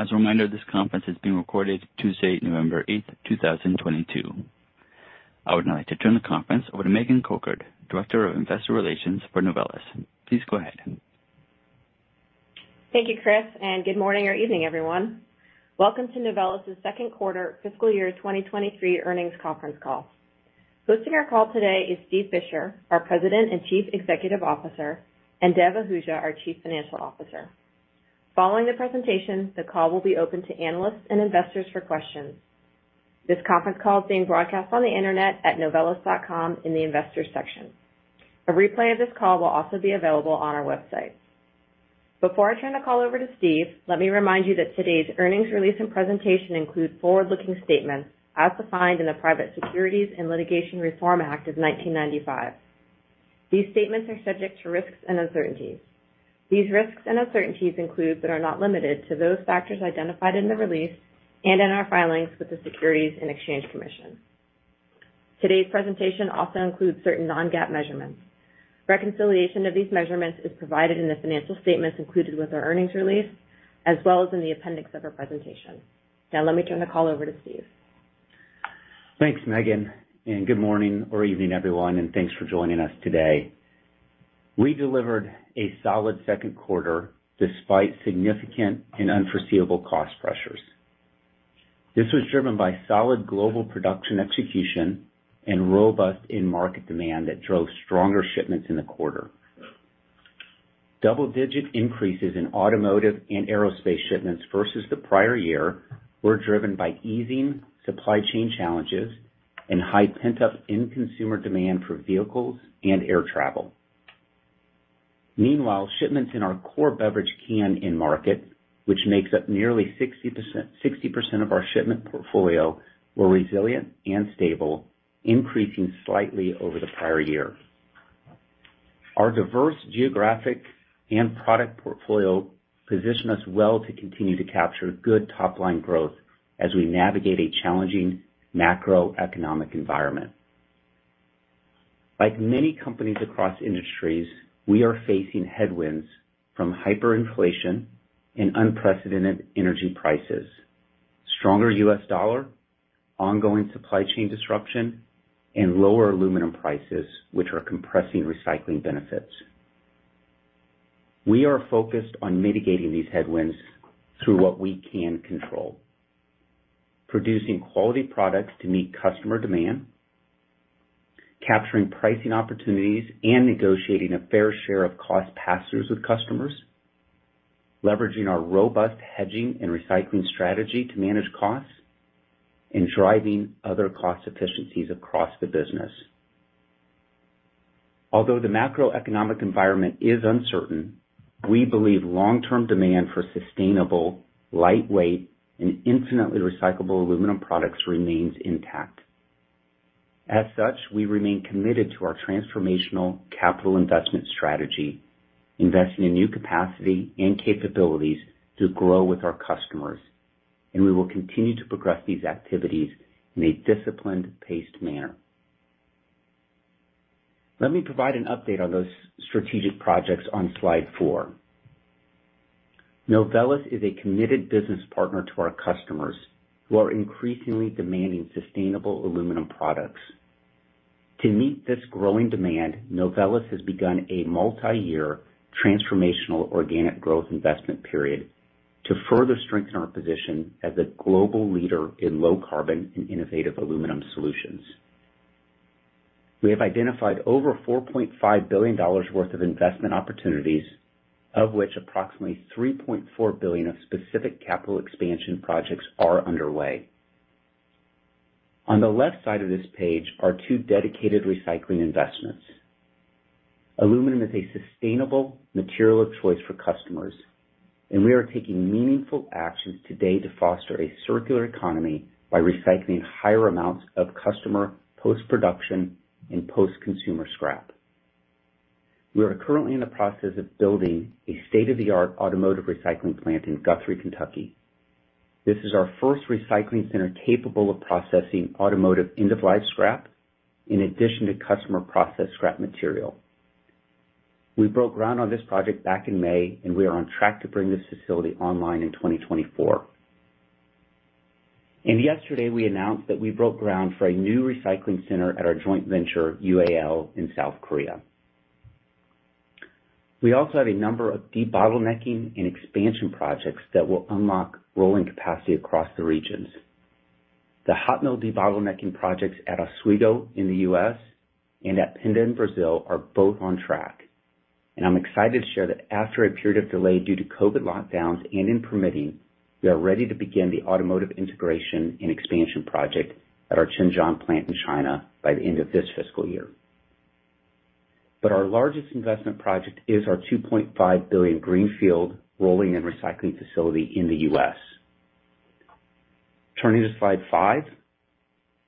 As a reminder, this conference is being recorded Tuesday, November eighth, 2022. I would now like to turn the conference over to Megan Cochard, Director of Investor Relations for Novelis. Please go ahead. Thank you, Chris, and good morning or evening, everyone. Welcome to Novelis's second quarter fiscal year 2023 earnings conference call. Hosting our call today is Steve Fisher, our President and Chief Executive Officer, and Dev Ahuja, our Chief Financial Officer. Following the presentation, the call will be open to analysts and investors for questions. This conference call is being broadcast on the internet at novelis.com in the Investors section. A replay of this call will also be available on our website. Before I turn the call over to Steve, let me remind you that today's earnings release and presentation include forward-looking statements as defined in the Private Securities and Litigation Reform Act of 1995. These statements are subject to risks and uncertainties. These risks and uncertainties include, but are not limited to, those factors identified in the release and in our filings with the Securities and Exchange Commission. Today's presentation also includes certain non-GAAP measurements. Reconciliation of these measurements is provided in the financial statements included with our earnings release, as well as in the appendix of our presentation. Let me turn the call over to Steve. Thanks, Megan, good morning or evening, everyone, and thanks for joining us today. We delivered a solid second quarter despite significant and unforeseeable cost pressures. This was driven by solid global production execution and robust end market demand that drove stronger shipments in the quarter. Double-digit increases in automotive and aerospace shipments versus the prior year were driven by easing supply chain challenges and high pent-up end consumer demand for vehicles and air travel. Meanwhile, shipments in our core beverage can end market, which makes up nearly 60% of our shipment portfolio, were resilient and stable, increasing slightly over the prior year. Our diverse geographic and product portfolio position us well to continue to capture good top-line growth as we navigate a challenging macroeconomic environment. Like many companies across industries, we are facing headwinds from hyperinflation and unprecedented energy prices, stronger US dollar, ongoing supply chain disruption, and lower aluminum prices, which are compressing recycling benefits. We are focused on mitigating these headwinds through what we can control: producing quality products to meet customer demand, capturing pricing opportunities, and negotiating a fair share of cost passes with customers, leveraging our robust hedging and recycling strategy to manage costs, and driving other cost efficiencies across the business. Although the macroeconomic environment is uncertain, we believe long-term demand for sustainable, lightweight, and infinitely recyclable aluminum products remains intact. As such, we remain committed to our transformational capital investment strategy, investing in new capacity and capabilities to grow with our customers, and we will continue to progress these activities in a disciplined, paced manner. Let me provide an update on those strategic projects on slide four. Novelis is a committed business partner to our customers, who are increasingly demanding sustainable aluminum products. To meet this growing demand, Novelis has begun a multi-year transformational organic growth investment period to further strengthen our position as a global leader in low carbon and innovative aluminum solutions. We have identified over $4.5 billion worth of investment opportunities, of which approximately $3.4 billion of specific capital expansion projects are underway. On the left side of this page are two dedicated recycling investments. Aluminum is a sustainable material of choice for customers, and we are taking meaningful actions today to foster a circular economy by recycling higher amounts of customer post-production and post-consumer scrap. We are currently in the process of building a state-of-the-art automotive recycling plant in Guthrie, Kentucky. This is our first recycling center capable of processing automotive end-of-life scrap in addition to customer process scrap material. We broke ground on this project back in May, and we are on track to bring this facility online in 2024. Yesterday, we announced that we broke ground for a new recycling center at our joint venture, UAL, in South Korea. We also have a number of debottlenecking and expansion projects that will unlock rolling capacity across the regions. The hot mill debottlenecking projects at Oswego in the U.S. and at Pindamonhangaba in Brazil are both on track, and I'm excited to share that after a period of delay due to COVID lockdowns and in permitting, we are ready to begin the automotive integration and expansion project at our Tianjin plant in China by the end of this fiscal year. Our largest investment project is our $2.5 billion greenfield rolling and recycling facility in the US. Turning to slide five.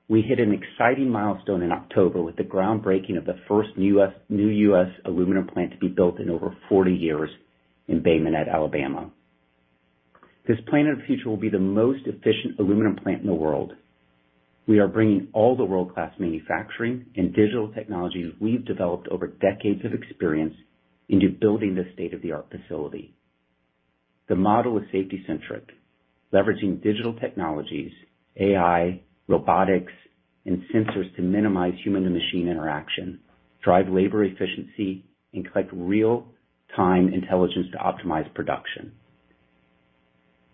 We hit an exciting milestone in October with the groundbreaking of the first new US aluminum plant to be built in over 40 years in Bay Minette, Alabama. This plant of the future will be the most efficient aluminum plant in the world. We are bringing all the world-class manufacturing and digital technologies we've developed over decades of experience into building this state-of-the-art facility. The model is safety-centric, leveraging digital technologies, AI, robotics, and sensors to minimize human and machine interaction, drive labor efficiency, and collect real-time intelligence to optimize production.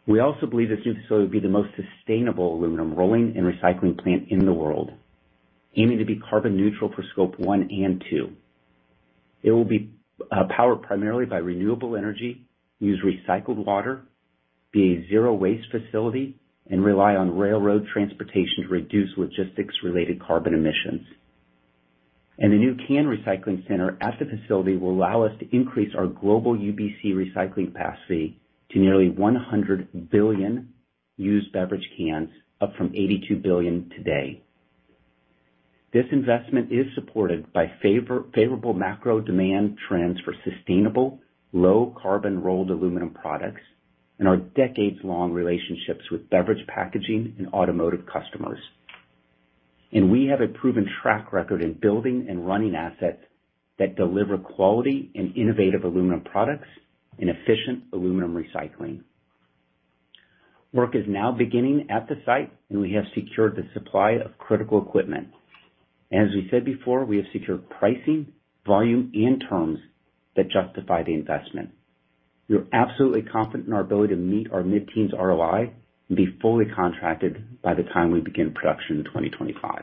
We also believe this new facility will be the most sustainable aluminum rolling and recycling plant in the world, aiming to be carbon neutral for Scope one and two. It will be powered primarily by renewable energy, use recycled water, be a zero-waste facility, and rely on railroad transportation to reduce logistics-related carbon emissions. The new can recycling center at the facility will allow us to increase our global UBC recycling capacity to nearly 100 billion used beverage cans, up from 82 billion today. This investment is supported by favorable macro demand trends for sustainable, low-carbon rolled aluminum products and our decades-long relationships with beverage packaging and automotive customers. We have a proven track record in building and running assets that deliver quality and innovative aluminum products and efficient aluminum recycling. Work is now beginning at the site, and we have secured the supply of critical equipment. As we said before, we have secured pricing, volume, and terms that justify the investment. We are absolutely confident in our ability to meet our mid-teens ROI and be fully contracted by the time we begin production in 2025.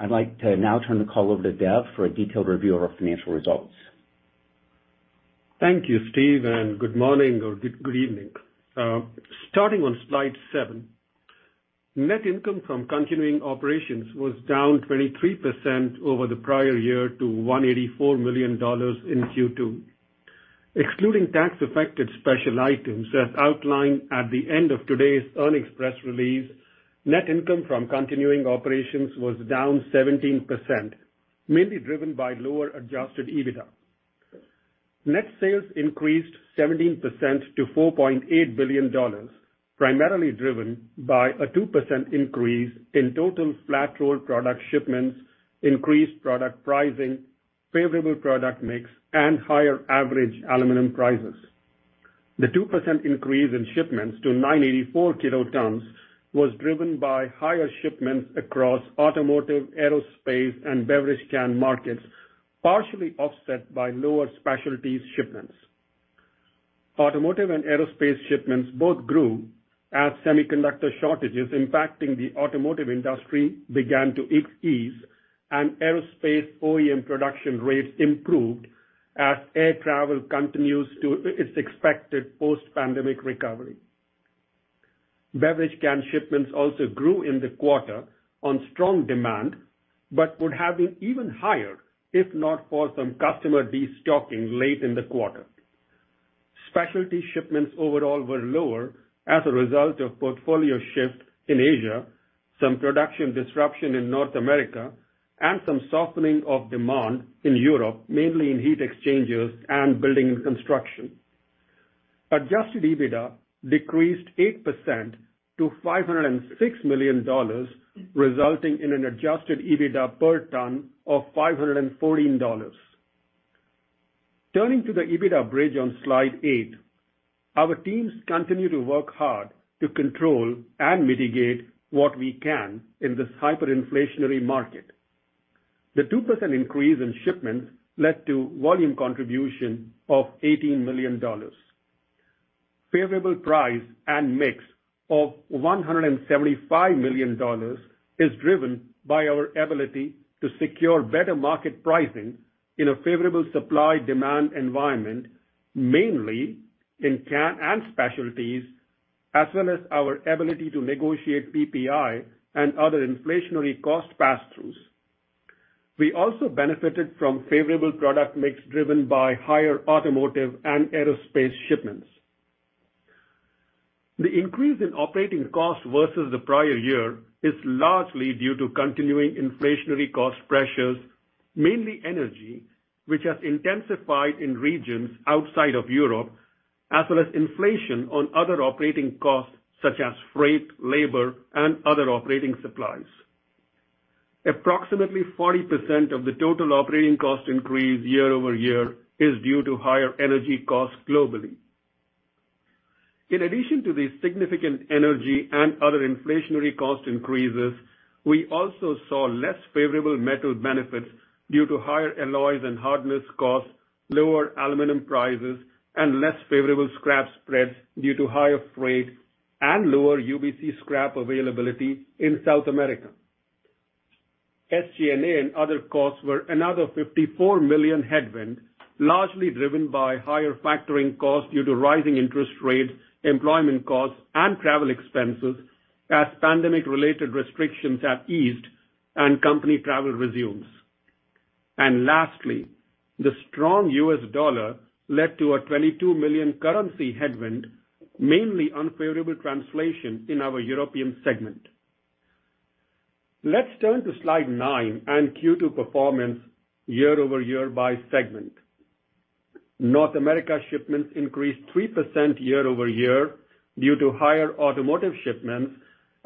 I'd like to now turn the call over to Dev for a detailed review of our financial results. Thank you, Steve, and good morning or good evening. Starting on slide 7, net income from continuing operations was down 23% over the prior year to $184 million in Q2. Excluding tax-affected special items, as outlined at the end of today's earnings press release, net income from continuing operations was down 17%, mainly driven by lower adjusted EBITDA. Net sales increased 17% to $4.8 billion, primarily driven by a 2% increase in total flat-rolled product shipments, increased product pricing, favorable product mix, and higher average aluminum prices. The 2% increase in shipments to 984 kilotons was driven by higher shipments across automotive, aerospace, and beverage can markets, partially offset by lower specialties shipments. Automotive and aerospace shipments both grew as semiconductor shortages impacting the automotive industry began to ease. Aerospace OEM production rates improved as air travel continues to its expected post-pandemic recovery. Beverage can shipments also grew in the quarter on strong demand. Would have been even higher if not for some customer destocking late in the quarter. Specialty shipments overall were lower as a result of portfolio shift in Asia, some production disruption in North America, and some softening of demand in Europe, mainly in heat exchangers and building and construction. Adjusted EBITDA decreased 8% to $506 million, resulting in an adjusted EBITDA per ton of $514. Turning to the EBITDA bridge on Slide 8, our teams continue to work hard to control and mitigate what we can in this hyperinflationary market. The 2% increase in shipments led to volume contribution of $18 million. Favorable price and mix of $175 million is driven by our ability to secure better market pricing in a favorable supply-demand environment, mainly in can and specialties, as well as our ability to negotiate PPI and other inflationary cost pass-throughs. We also benefited from favorable product mix, driven by higher automotive and aerospace shipments. The increase in operating costs versus the prior year is largely due to continuing inflationary cost pressures, mainly energy, which has intensified in regions outside of Europe, as well as inflation on other operating costs, such as freight, labor, and other operating supplies. Approximately 40% of the total operating cost increase year-over-year is due to higher energy costs globally. In addition to the significant energy and other inflationary cost increases, we also saw less favorable metal benefits due to higher alloys and hardness costs, lower aluminum prices, and less favorable scrap spreads due to higher freight and lower UBC scrap availability in South America. SG&A and other costs were another $54 million headwind, largely driven by higher factoring costs due to rising interest rates, employment costs, and travel expenses as pandemic-related restrictions have eased and company travel resumes. Lastly, the strong US dollar led to a $22 million currency headwind, mainly unfavorable translation in our European segment. Let's turn to slide 9 and Q2 performance year-over-year by segment. North America shipments increased 3% year-over-year due to higher automotive shipments,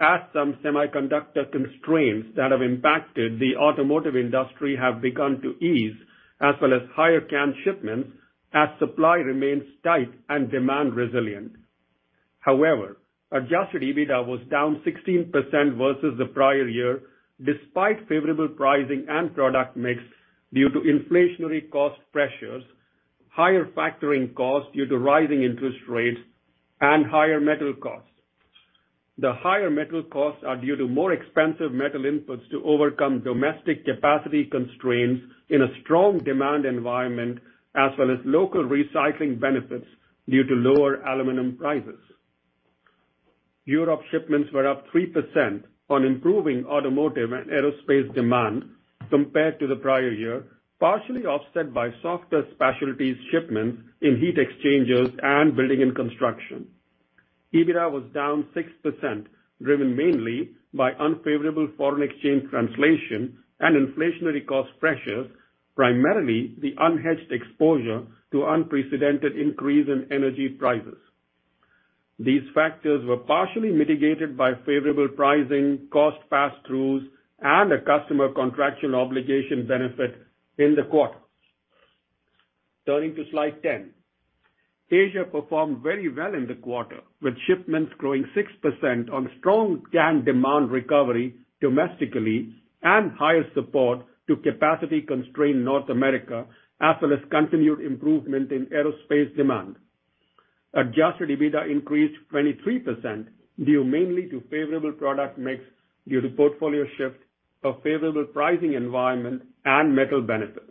as some semiconductor constraints that have impacted the automotive industry have begun to ease, as well as higher can shipments, as supply remains tight and demand resilient. However, adjusted EBITDA was down 16% versus the prior year, despite favorable pricing and product mix, due to inflationary cost pressures, higher factoring costs due to rising interest rates, and higher metal costs. The higher metal costs are due to more expensive metal inputs to overcome domestic capacity constraints in a strong demand environment, as well as local recycling benefits due to lower aluminum prices. Europe shipments were up 3% on improving automotive and aerospace demand compared to the prior year, partially offset by softer specialties shipments in heat exchangers and building and construction. EBITDA was down 6%, driven mainly by unfavorable foreign exchange translation and inflationary cost pressures, primarily the unhedged exposure to unprecedented increase in energy prices. These factors were partially mitigated by favorable pricing, cost passthroughs, and a customer contractual obligation benefit in the quarter. Turning to slide ten. Asia performed very well in the quarter, with shipments growing 6% on strong can demand recovery domestically and higher support to capacity-constrained North America, as well as continued improvement in aerospace demand. Adjusted EBITDA increased 23%, due mainly to favorable product mix due to portfolio shift, a favorable pricing environment, and metal benefits.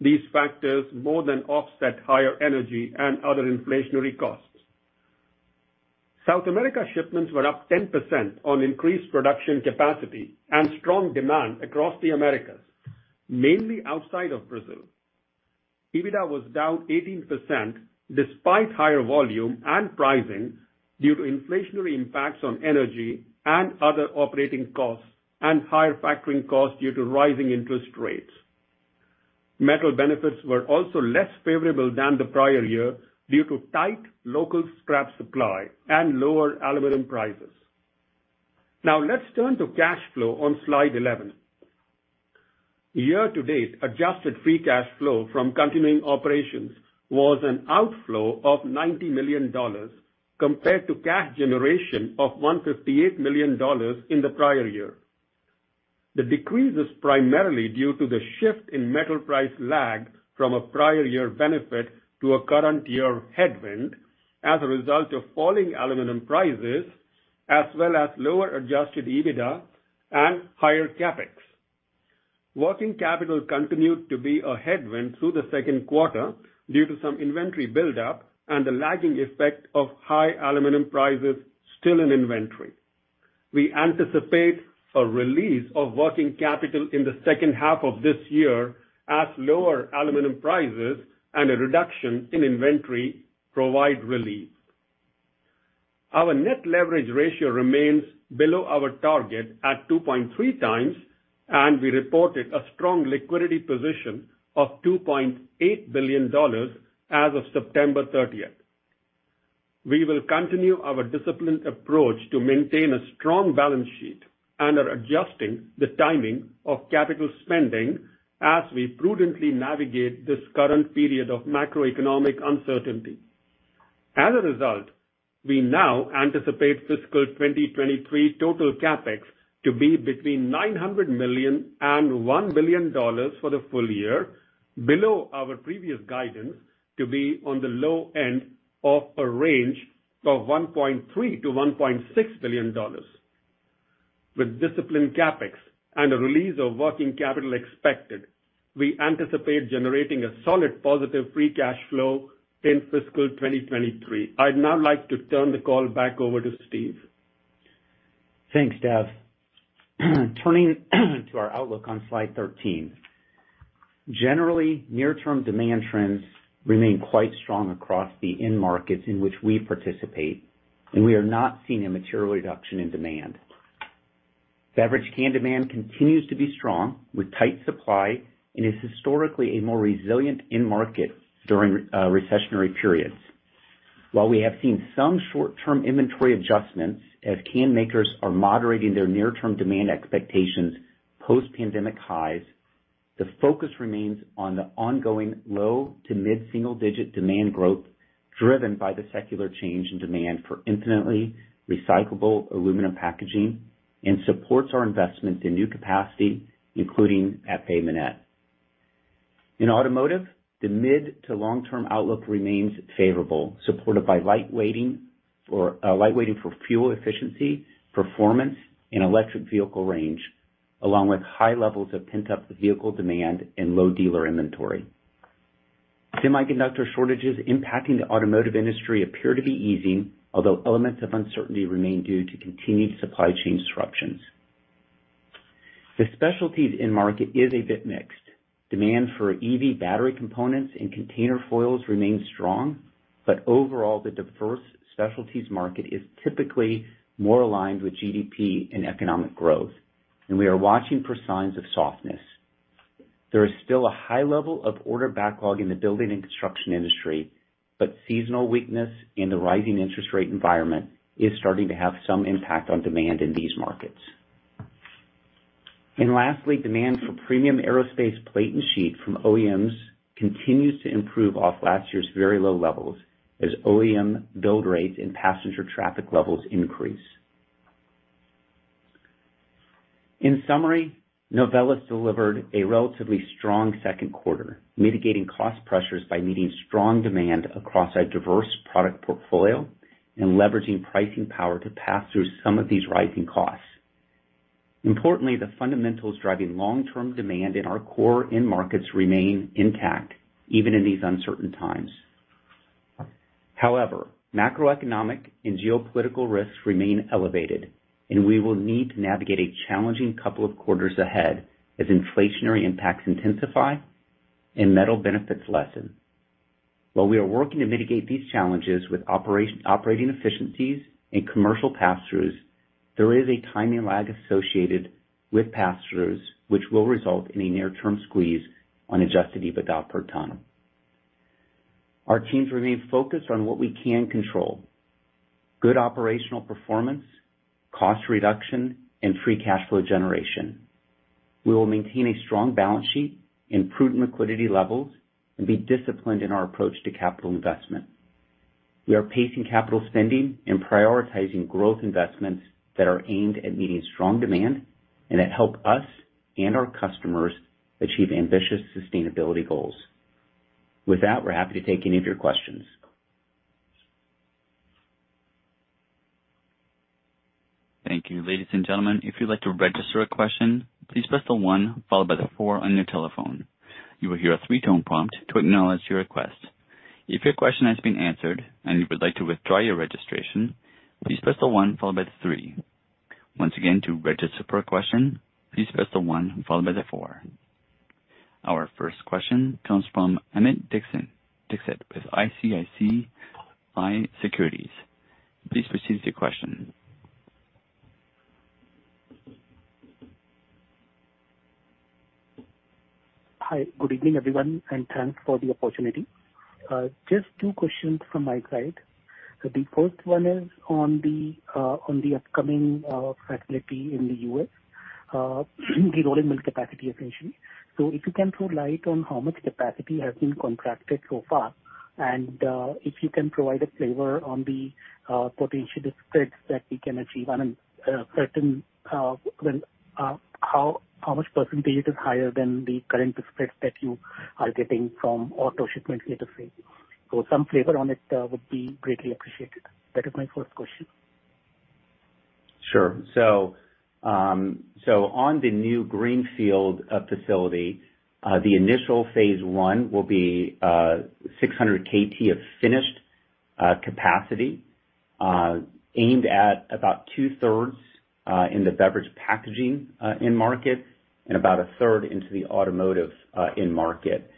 These factors more than offset higher energy and other inflationary costs. South America shipments were up 10% on increased production capacity and strong demand across the Americas, mainly outside of Brazil. EBITDA was down 18%, despite higher volume and pricing, due to inflationary impacts on energy and other operating costs and higher factoring costs due to rising interest rates. Metal benefits were also less favorable than the prior year due to tight local scrap supply and lower aluminum prices. Let's turn to cash flow on slide 11. Year to date, adjusted free cash flow from continuing operations was an outflow of $90 million compared to cash generation of $158 million in the prior year. The decrease is primarily due to the shift in metal price lag from a prior year benefit to a current year headwind as a result of falling aluminum prices, as well as lower adjusted EBITDA and higher CapEx. Working capital continued to be a headwind through the second quarter due to some inventory buildup and the lagging effect of high aluminum prices still in inventory. We anticipate a release of working capital in the second half of this year as lower aluminum prices and a reduction in inventory provide relief. Our net leverage ratio remains below our target at 2.3x, and we reported a strong liquidity position of $2.8 billion as of September 30th. We will continue our disciplined approach to maintain a strong balance sheet and are adjusting the timing of capital spending as we prudently navigate this current period of macroeconomic uncertainty. We now anticipate fiscal 2023 total CapEx to be between $900 million and $1 billion for the full year, below our previous guidance to be on the low end of a range of $1.3 billion-$1.6 billion. With disciplined CapEx and a release of working capital expected, we anticipate generating a solid positive free cash flow in fiscal 2023. I'd now like to turn the call back over to Steve. Thanks, Dev. Turning to our outlook on slide 13. Generally, near-term demand trends remain quite strong across the end markets in which we participate, and we are not seeing a material reduction in demand. beverage can demand continues to be strong, with tight supply and is historically a more resilient end market during recessionary periods. While we have seen some short-term inventory adjustments as can makers are moderating their near-term demand expectations, post-pandemic highs, the focus remains on the ongoing low to mid-single-digit demand growth, driven by the secular change in demand for infinitely recyclable aluminum packaging and supports our investment in new capacity, including at Bay Minette. In automotive, the mid to long-term outlook remains favorable, supported by light weighting for fuel efficiency, performance, and electric vehicle range, along with high levels of pent-up vehicle demand and low dealer inventory. Semiconductor shortages impacting the automotive industry appear to be easing, although elements of uncertainty remain due to continued supply chain disruptions. The specialties end market is a bit mixed. Demand for EV battery components and container foils remains strong, but overall, the diverse specialties market is typically more aligned with GDP and economic growth, and we are watching for signs of softness. There is still a high level of order backlog in the building and construction industry, but seasonal weakness in the rising interest rate environment is starting to have some impact on demand in these markets. Lastly, demand for premium aerospace plate and sheet from OEMs continues to improve off last year's very low levels, as OEM build rates and passenger traffic levels increase. In summary, Novelis delivered a relatively strong second quarter, mitigating cost pressures by meeting strong demand across our diverse product portfolio and leveraging pricing power to pass through some of these rising costs. Importantly, the fundamentals driving long-term demand in our core end markets remain intact, even in these uncertain times. However, macroeconomic and geopolitical risks remain elevated, and we will need to navigate a challenging couple of quarters ahead as inflationary impacts intensify and metal benefits lessen. While we are working to mitigate these challenges with operating efficiencies and commercial pass-throughs, there is a timing lag associated with pass-throughs, which will result in a near-term squeeze on adjusted EBITDA per ton. Our teams remain focused on what we can control: good operational performance, cost reduction, and free cash flow generation. We will maintain a strong balance sheet, improve liquidity levels, and be disciplined in our approach to capital investment. We are pacing capital spending and prioritizing growth investments that are aimed at meeting strong demand and that help us and our customers achieve ambitious sustainability goals. With that, we're happy to take any of your questions. Thank you. Ladies and gentlemen, if you'd like to register a question, please press the one followed by the four on your telephone. You will hear a three-tone prompt to acknowledge your request. If your question has been answered and you would like to withdraw your registration, please press the one followed by the three. Once again, to register for a question, please press the one followed by the four. Our first question comes from Amit Dixit with ICICI Securities. Please proceed with your question. Hi. Good evening, everyone, and thanks for the opportunity. Just two questions from my side. The first one is on the upcoming facility in the US, the rolling mill capacity, essentially. If you can throw light on how much capacity has been contracted so far, and if you can provide a flavor on the potential spreads that we can achieve on a certain how much percentage is higher than the current spreads that you are getting from auto shipments therefrom? Some flavor on it would be greatly appreciated. That is my first question. Sure. On the new Greenfield facility, the initial phase one will be 600 KT of finished capacity, aimed at about two-thirds in the beverage packaging end market and about a third into the automotive end market.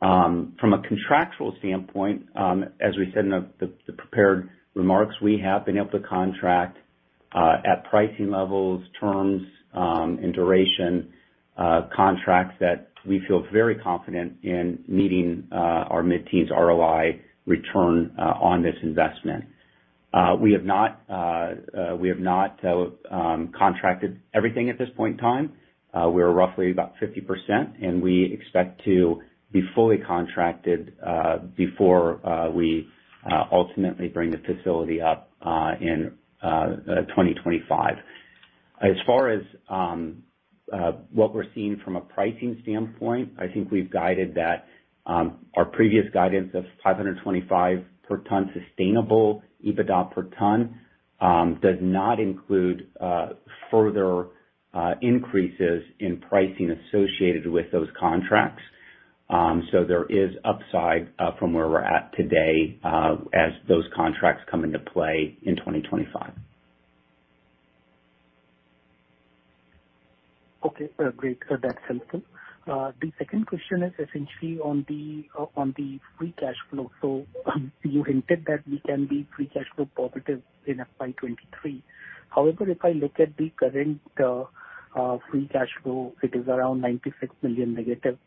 From a contractual standpoint, as we said in the prepared remarks, we have been able to contract at pricing levels, terms, and duration contracts that we feel very confident in meeting our mid-teens ROI return on this investment. We have not, we have not contracted everything at this point in time. We're roughly about 50%, and we expect to be fully contracted before we ultimately bring the facility up in 2025. As far as what we're seeing from a pricing standpoint, I think we've guided that our previous guidance of 525 per ton sustainable EBITDA per ton does not include further increases in pricing associated with those contracts. There is upside from where we're at today as those contracts come into play in 2025. Okay, great. That's helpful. The second question is essentially on the free cash flow. You hinted that we can be free cash flow positive in FY 2023. However, if I look at the current free cash flow, it is around $96 million negative.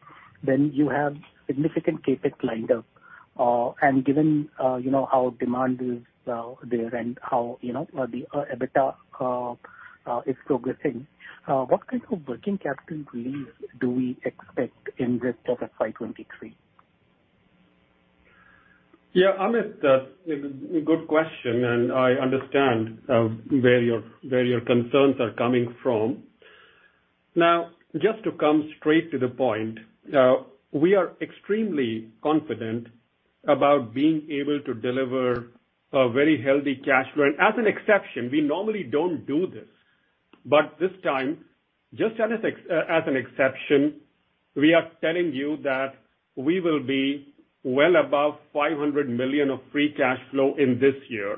You have significant CapEx lined up. And given, you know, how demand is there and how, you know, the EBITDA is progressing, what kind of working capital release do we expect in rest of FY 2023? Yeah, Amit, a good question, and I understand where your concerns are coming from. Now, just to come straight to the point, we are extremely confident about being able to deliver a very healthy cash flow. As an exception, we normally don't do this, but this time, just as an exception, we are telling you that we will be well above $500 million of free cash flow in this year.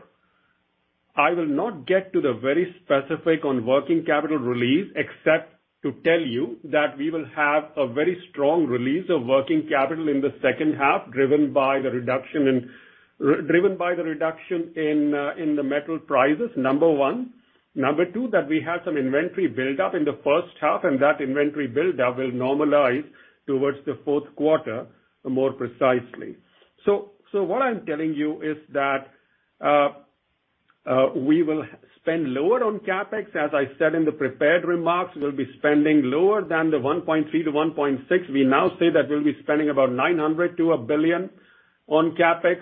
I will not get to the very specific on working capital release, except to tell you that we will have a very strong release of working capital in the second half, driven by the reduction in, driven by the reduction in the metal prices, number one. Number two, that we had some inventory buildup in the first half, and that inventory buildup will normalize towards the fourth quarter, more precisely. What I'm telling you is that we will spend lower on CapEx, as I said in the prepared remarks. We'll be spending lower than $1.3 billion-$1.6 billion. We now say that we'll be spending about $900 million to $1 billion on CapEx.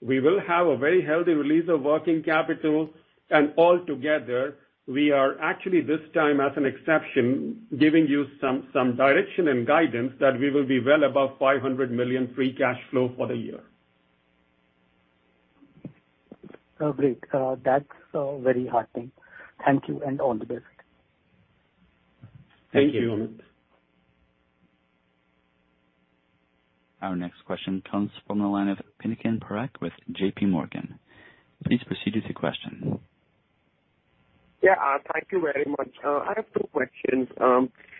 We will have a very healthy release of working capital, and altogether, we are actually, this time, as an exception, giving you some direction and guidance that we will be well above $500 million free cash flow for the year. Oh, great. That's very heartening. Thank you. All the best. Thank you. Thank you. Our next question comes from the line of Pinakin Parekh, with JP Morgan. Please proceed with your question. Yeah, thank you very much. I have two questions.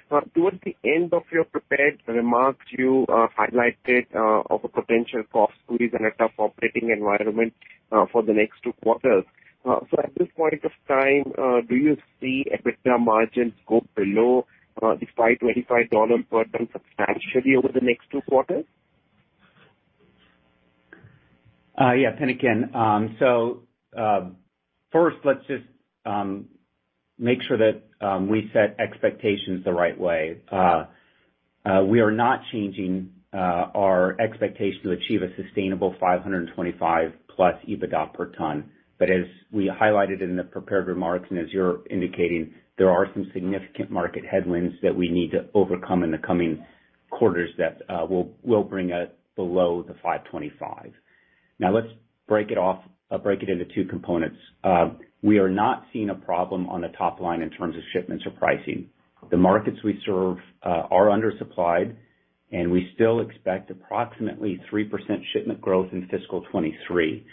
Towards the end of your prepared remarks, you highlighted of a potential cost to this and a tough operating environment for the next two quarters. At this point of time, do you see EBITDA margins go below the $525 per ton substantially over the next two quarters? Yeah, Pinakin. First, let's make sure we set expectations the right way. We are not changing our expectation to achieve a sustainable 525+ EBITDA per ton. As we highlighted in the prepared remarks, and as you're indicating, there are some significant market headwinds that we need to overcome in the coming quarters that will bring us below the 525. Let's break it off, break it into two components. We are not seeing a problem on the top line in terms of shipments or pricing. The markets we serve are undersupplied, and we still expect approximately 3% shipment growth in fiscal 2023.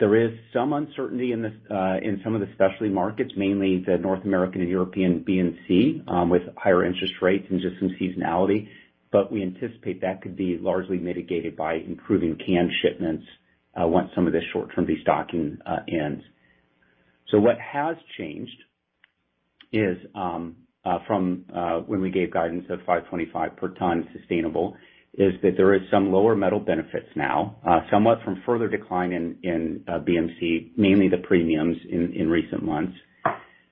There is some uncertainty in this in some of the specialty markets, mainly the North American and European BNC, with higher interest rates and just some seasonality, but we anticipate that could be largely mitigated by improving can shipments once some of the short-term destocking ends. What has changed is when we gave guidance of $525 per ton sustainable, is that there is some lower metal benefits now somewhat from further decline in in BMC, mainly the premiums in in recent months.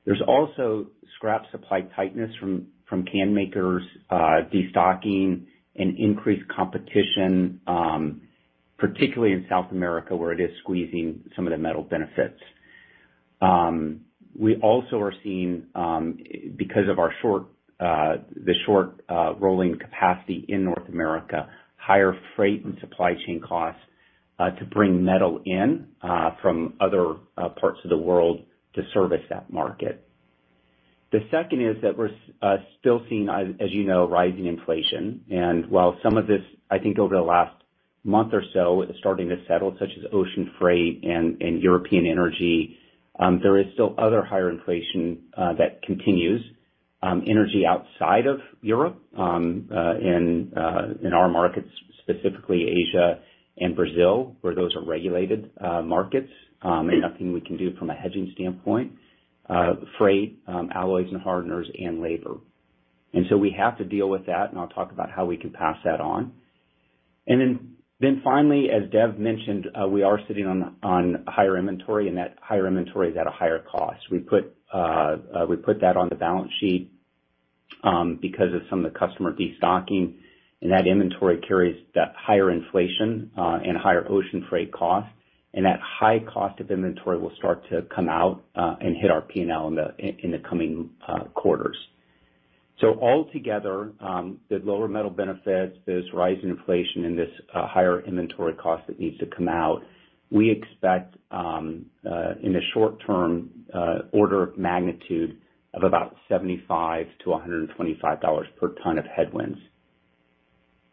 There's also scrap supply tightness from can makers destocking and increased competition particularly in South America, where it is squeezing some of the metal benefits. We also are seeing, because of our short, the short, rolling capacity in North America, higher freight and supply chain costs, to bring metal in, from other, parts of the world to service that market. The second is that we're still seeing, as you know, rising inflation, and while some of this, I think, over the last month or so, is starting to settle, such as ocean freight and European energy, there is still other higher inflation that continues. Energy outside of Europe, in our markets, specifically Asia and Brazil, where those are regulated markets, and nothing we can do from a hedging standpoint, freight, alloys and hardeners, and labor. We have to deal with that, and I'll talk about how we can pass that on. Finally, as Dev mentioned, we are sitting on higher inventory, and that higher inventory is at a higher cost. We put that on the balance sheet because of some of the customer destocking, and that inventory carries that higher inflation and higher ocean freight cost, and that high cost of inventory will start to come out and hit our P&L in the coming quarters. Altogether, the lower metal benefits, this rise in inflation and this higher inventory cost that needs to come out, we expect in the short term, order of magnitude of about $75-$125 per ton of headwinds.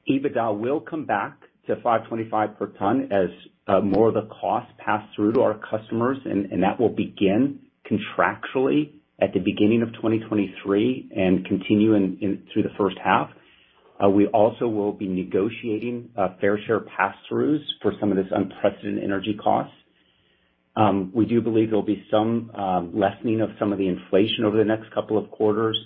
EBITDA will come back to $525 per ton as more of the costs pass through to our customers, and that will begin contractually at the beginning of 2023 and continue through the first half. We also will be negotiating fair share pass-throughs for some of this unprecedented energy costs. We do believe there'll be some lessening of some of the inflation over the next couple of quarters,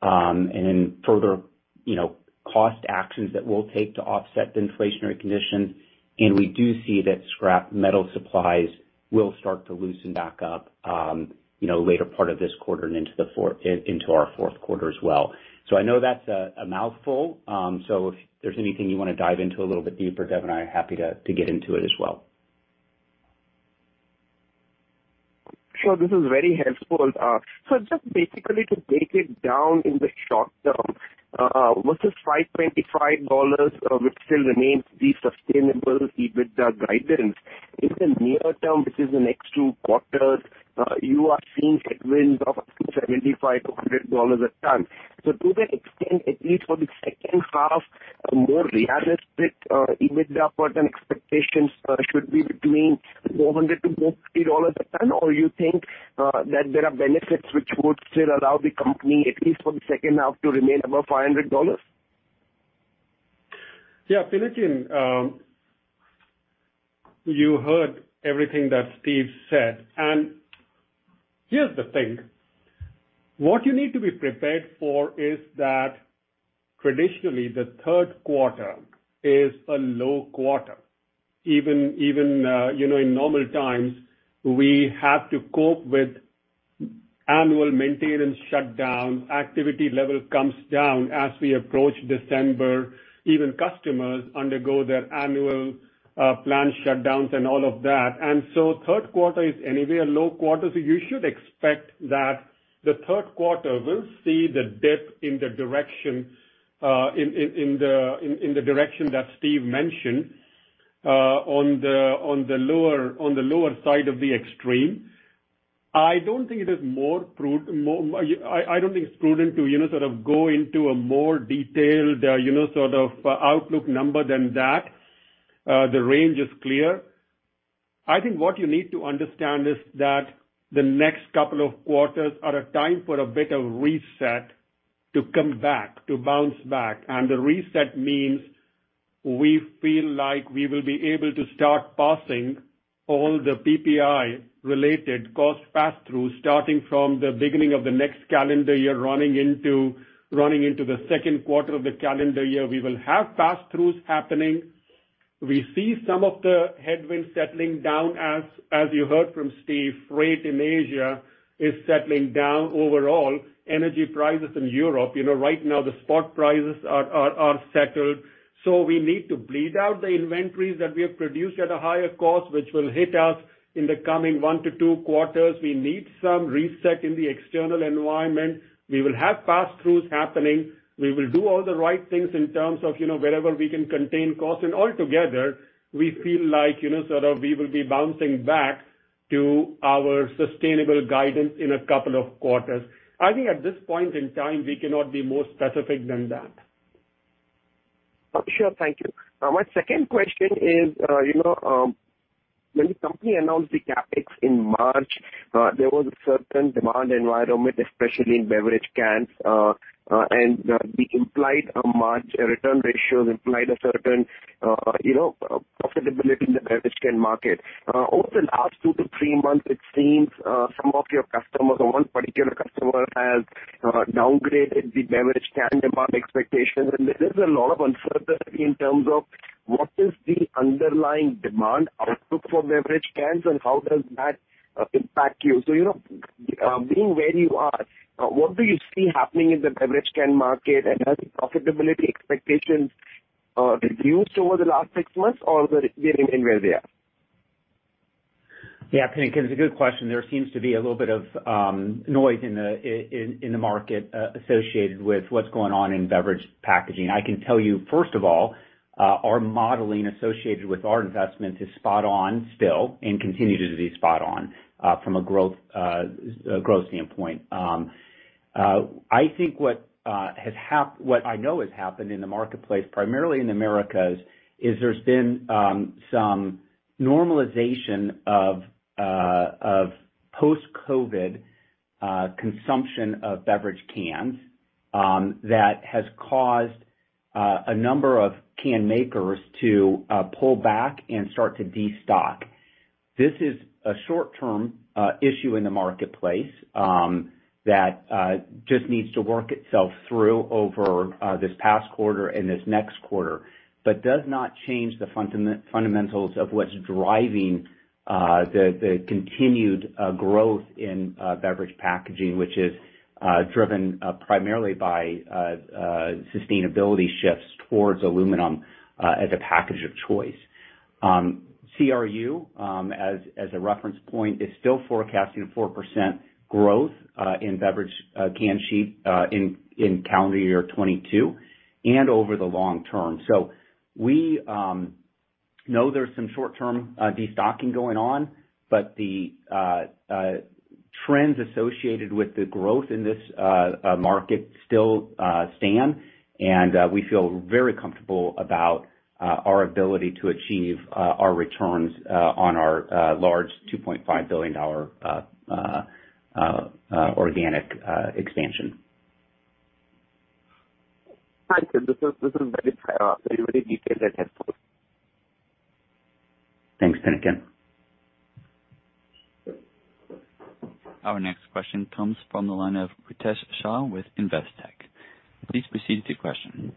and further, you know, cost actions that we'll take to offset the inflationary conditions. We do see that scrap metal supplies will start to loosen back up, you know, later part of this quarter and into our fourth quarter as well. I know that's a mouthful, so if there's anything you want to dive into a little bit deeper, Dev and I are happy to get into it as well. Sure. This is very helpful. Just basically to break it down in the short term versus $525, which still remains the sustainable EBITDA guidance. In the near term, which is the next 2 quarters, you are seeing headwinds of up to $75-$100 a ton. To that extent, at least for the second half, more realistic EBITDA for then expectations, should be between $400-$450 a ton? Or you think, that there are benefits which would still allow the company, at least for the second half, to remain above $500? Yeah, Pinakin, you heard everything that Steve said. Here's the thing, what you need to be prepared for is that traditionally, the third quarter is a low quarter. Even, you know, in normal times, we have to cope with annual maintenance shutdown, activity level comes down as we approach December, even customers undergo their annual planned shutdowns and all of that. So third quarter is anyway a low quarter, so you should expect that the third quarter will see the dip in the direction, in the direction that Steve mentioned, on the lower side of the extreme. I don't think it is more... I don't think it's prudent to, you know, sort of go into a more detailed, you know, sort of outlook number than that. The range is clear. I think what you need to understand is that the next couple of quarters are a time for a bit of reset to come back, to bounce back. The reset means we feel like we will be able to start passing all the PPI-related cost pass-through, starting from the beginning of the next calendar year, running into the second quarter of the calendar year. We will have pass-throughs happening. We see some of the headwinds settling down, as you heard from Steve, freight in Asia is settling down overall. Energy prices in Europe, you know, right now, the spot prices are settled. We need to bleed out the inventories that we have produced at a higher cost, which will hit us in the coming one to two quarters. We need some reset in the external environment. We will have pass-throughs happening. We will do all the right things in terms of, you know, wherever we can contain costs. Altogether, we feel like, you know, sort of we will be bouncing back to our sustainable guidance in a couple of quarters. I think at this point in time, we cannot be more specific than that. Sure. Thank you. My second question is, you know, when the company announced the CapEx in March, there was a certain demand environment, especially in beverage cans, and we implied a margin, a return ratios implied a certain, you know, profitability in the beverage can market. Over the last two to three months, it seems, some of your customers or one particular customer has downgraded the beverage can demand expectations. There is a lot of uncertainty in terms of what is the underlying demand outlook for beverage cans and how does that impact you? You know, being where you are, what do you see happening in the beverage can market? Has the profitability expectations reduced over the last six months, or they remain where they are? Pinakin, it's a good question. There seems to be a little bit of noise in the, in, in the market associated with what's going on in beverage packaging. I can tell you, first of all, our modeling associated with our investment is spot on still, and continues to be spot on from a growth standpoint. I think what I know has happened in the marketplace, primarily in Americas, is there's been some normalization of post-COVID consumption of beverage cans that has caused a number of can makers to pull back and start to destock. This is a short-term issue in the marketplace that just needs to work itself through over this past quarter and this next quarter. does not change the fundamentals of what's driving the continued growth in beverage packaging, which is driven primarily by sustainability shifts towards aluminum as a package of choice. CRU as a reference point, is still forecasting a 4% growth in beverage canned sheet in calendar year 2022 and over the long term. We know there's some short-term destocking going on, but the trends associated with the growth in this market still stand, and we feel very comfortable about our ability to achieve our returns on our large $2.5 billion organic expansion. Thank you. This is very clear, very detailed and helpful. Thanks, Pinakin. Our next question comes from the line of Ritesh Shah with Investec. Please proceed with your question.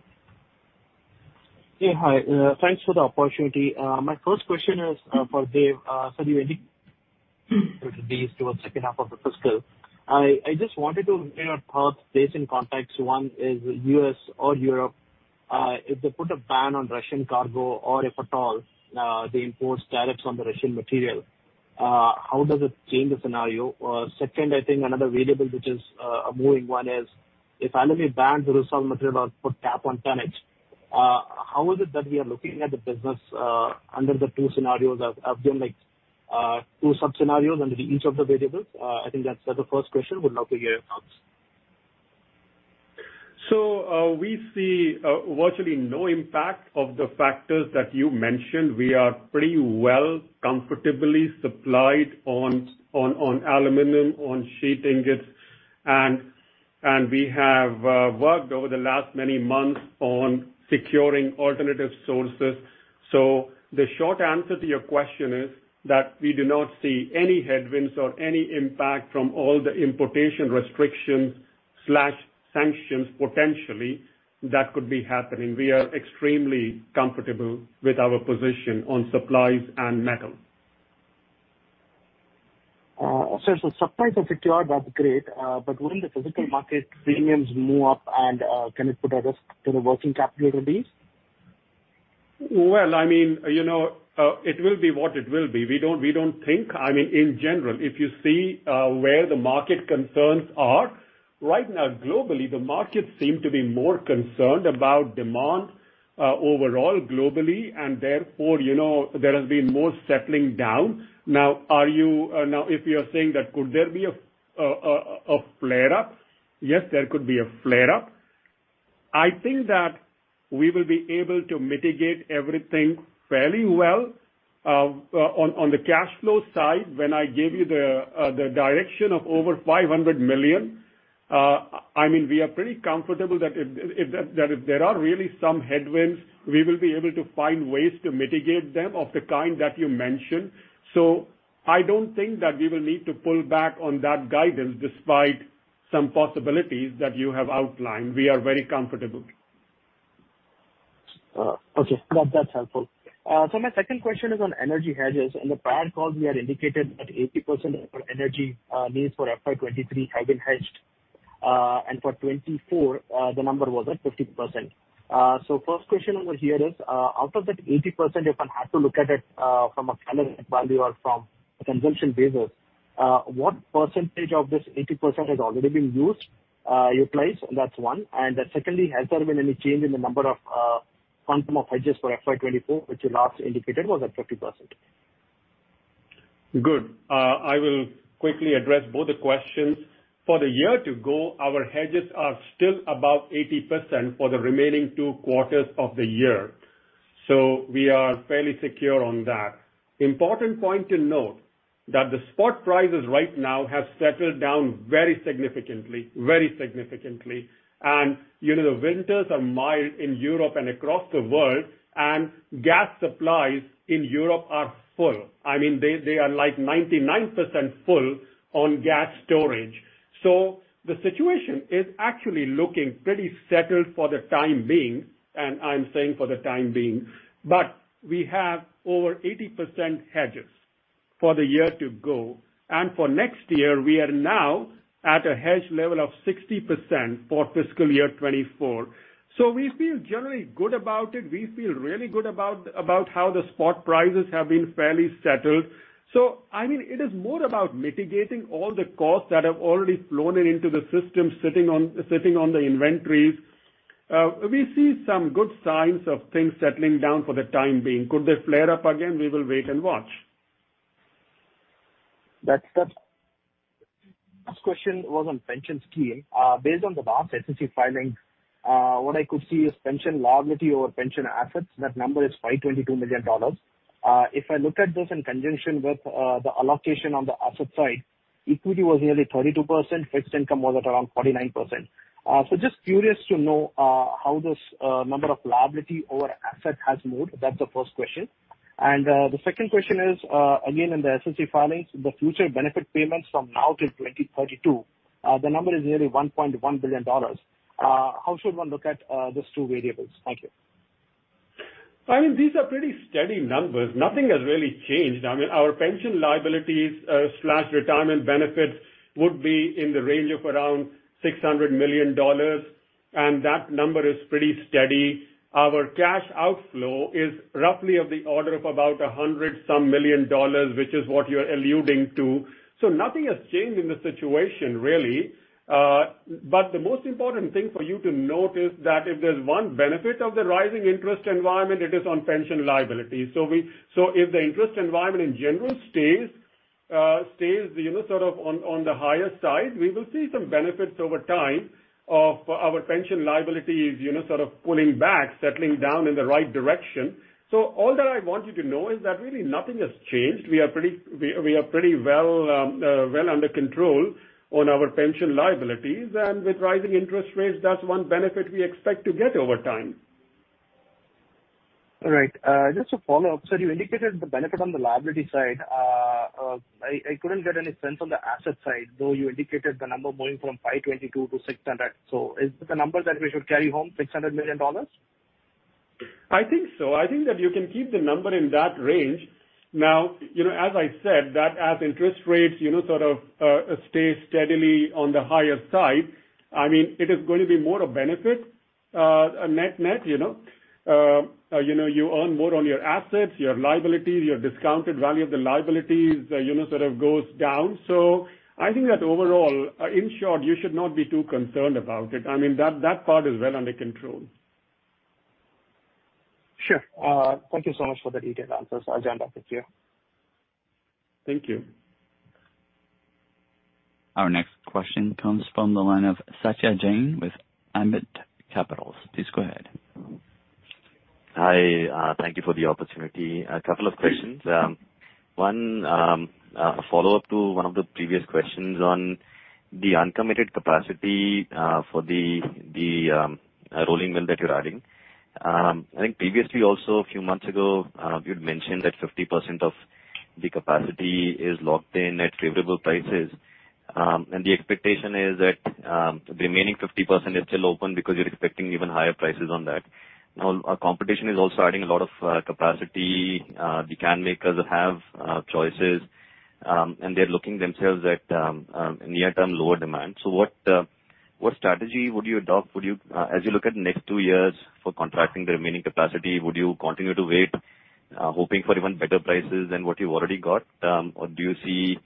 Yeah, hi. Thanks for the opportunity. My first question is for Dev, towards the second half of the fiscal. I just wanted to hear your thoughts, place in context, one is U.S. or Europe? If they put a ban on Russian cargo or if at all, they impose tariffs on the Russian material, how does it change the scenario? Second, I think another variable, which is a moving one, is if aluminum banned the result material or put cap on tonnage, how is it that we are looking at the business under the two scenarios? I've done, like, two sub-scenarios under the each of the variables. I think that's the first question. Would love to hear your thoughts. We see virtually no impact of the factors that you mentioned. We are pretty well comfortably supplied on aluminum, on sheet ingots. We have worked over the last many months on securing alternative sources. The short answer to your question is that we do not see any headwinds or any impact from all the importation restrictions slash sanctions, potentially, that could be happening. We are extremely comfortable with our position on supplies and metal. The supplies are secured, that's great. Will the physical market premiums move up, and can it put a risk to the working capital needs? Well, I mean, you know, it will be what it will be. We don't think. I mean, in general, if you see, where the market concerns are, right now, globally, the markets seem to be more concerned about demand, overall, globally. Therefore, you know, there has been more settling down. Now, are you, now, if you are saying that could there be a flare-up? Yes, there could be a flare-up. I think that we will be able to mitigate everything fairly well. On the cash flow side, when I gave you the direction of over $500 million, I mean, we are pretty comfortable that if there are really some headwinds, we will be able to find ways to mitigate them, of the kind that you mentioned. I don't think that we will need to pull back on that guidance despite some possibilities that you have outlined. We are very comfortable. Okay. That's helpful. My second question is on energy hedges. In the prior call, we had indicated that 80% of our energy needs for FY 2023 have been hedged, and for 2024, the number was at 50%. First question over here is, out of that 80%, if one had to look at it, from a calendar value or from a consumption basis, what percentage of this 80% has already been used, utilized? That's one. Secondly, has there been any change in the number of quantum of hedges for FY 2024, which you last indicated was at 50%? Good. I will quickly address both the questions. For the year to go, our hedges are still about 80% for the remaining two quarters of the year, so we are fairly secure on that. Important point to note, that the spot prices right now have settled down very significantly. You know, the winters are mild in Europe and across the world, and gas supplies in Europe are full. I mean, they are, like, 99% full on gas storage. The situation is actually looking pretty settled for the time being, and I'm saying for the time being, but we have over 80% hedges for the year to go. For next year, we are now at a hedge level of 60% for fiscal year 2024. We feel generally good about it. We feel really good about how the spot prices have been fairly settled. I mean, it is more about mitigating all the costs that have already flown into the system, sitting on the inventories. We see some good signs of things settling down for the time being. Could they flare up again? We will wait and watch. Last question was on pension scheme. Based on the last SEC filings, what I could see is pension liability over pension assets, that number is $522 million. If I look at this in conjunction with the allocation on the asset side, equity was nearly 32%, fixed income was at around 49%. Just curious to know how this number of liability over asset has moved. That's the first question. The second question is again, in the SEC filings, the future benefit payments from now till 2032, the number is nearly $1.1 billion. How should one look at these two variables? Thank you. I mean, these are pretty steady numbers. Nothing has really changed. I mean, our pension liabilities slash retirement benefits would be in the range of around $600 million. That number is pretty steady. Our cash outflow is roughly of the order of about $100 some million, which is what you're alluding to. Nothing has changed in the situation, really. The most important thing for you to note is that if there's one benefit of the rising interest environment, it is on pension liability. If the interest environment in general stays, you know, sort of on the higher side, we will see some benefits over time of our pension liabilities, you know, sort of pulling back, settling down in the right direction. All that I want you to know is that really nothing has changed. We are pretty well under control on our pension liabilities. With rising interest rates, that's one benefit we expect to get over time. All right. Just to follow up, sir, you indicated the benefit on the liability side. I couldn't get any sense on the asset side, though you indicated the number moving from 522 to 600. Is the number that we should carry home $600 million? I think so. I think that you can keep the number in that range. You know, as I said, that as interest rates, you know, sort of, stay steadily on the higher side, I mean, it is going to be more a benefit, net, you know. You know, you earn more on your assets, your liabilities, your discounted value of the liabilities, you know, sort of goes down. I think that overall, in short, you should not be too concerned about it. I mean, that part is well under control. Sure. Thank you so much for the detailed answers, Dev Ahuja. Thank you. Thank you. Our next question comes from the line of Satyadeep Jain with Ambit Capital. Please go ahead. Hi, thank you for the opportunity. A couple of questions. One, a follow-up to one of the previous questions on the uncommitted capacity for the rolling mill that you're adding. I think previously, also a few months ago, you'd mentioned that 50% of the capacity is locked in at favorable prices. The expectation is that the remaining 50% is still open because you're expecting even higher prices on that. Our competition is also adding a lot of capacity. The can makers have choices, and they're looking themselves at near term, lower demand. What strategy would you adopt? As you look at next 2 years for contracting the remaining capacity, would you continue to wait, hoping for even better prices than what you've already got? Do you see,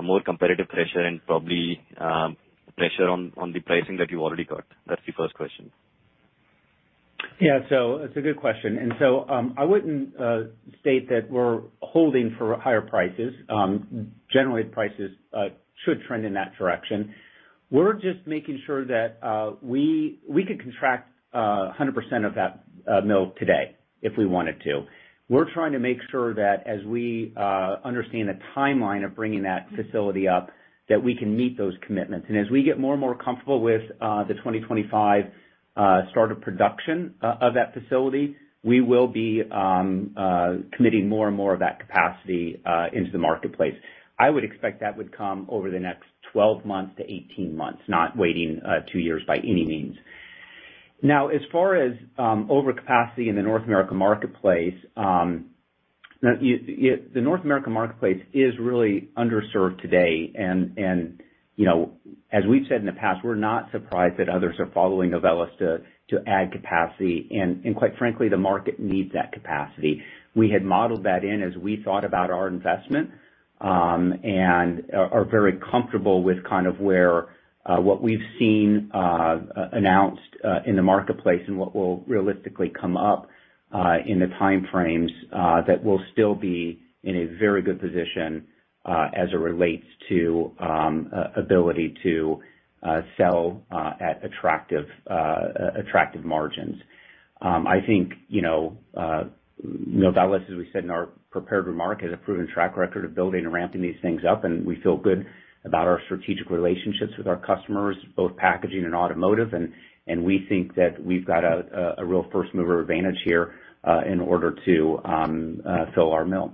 more competitive pressure and probably, pressure on the pricing that you've already got? That's the first question. It's a good question. I wouldn't state that we're holding for higher prices. Generally, the prices should trend in that direction. We're just making sure that we could contract 100% of that mill today if we wanted to. We're trying to make sure that as we understand the timeline of bringing that facility up, that we can meet those commitments. As we get more and more comfortable with the 2025 start of production of that facility, we will be committing more and more of that capacity into the marketplace. I would expect that would come over the next 12 months to 18 months, not waiting 2 years by any means. Now, as far as overcapacity in the North America marketplace, now, the North America marketplace is really underserved today. You know, as we've said in the past, we're not surprised that others are following Novelis to add capacity, quite frankly, the market needs that capacity. We had modeled that in as we thought about our investment, and are very comfortable with kind of where what we've seen announced in the marketplace and what will realistically come up in the time frames that we'll still be in a very good position as it relates to ability to sell at attractive margins. I think, you know, you know, Novelis, as we said in our prepared remark, has a proven track record of building and ramping these things up, and we feel good about our strategic relationships with our customers, both packaging and automotive. We think that we've got a real first mover advantage here in order to fill our mill.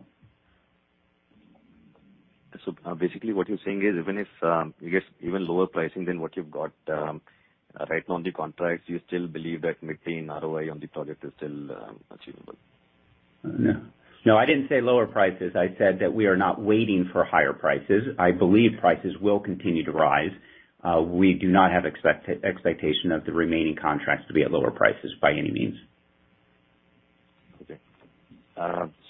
Basically what you're saying is, even if you get even lower pricing than what you've got right now on the contracts, you still believe that maintaining ROI on the project is still achievable? No. No, I didn't say lower prices. I said that we are not waiting for higher prices. I believe prices will continue to rise. We do not have expectation of the remaining contracts to be at lower prices by any means. Okay.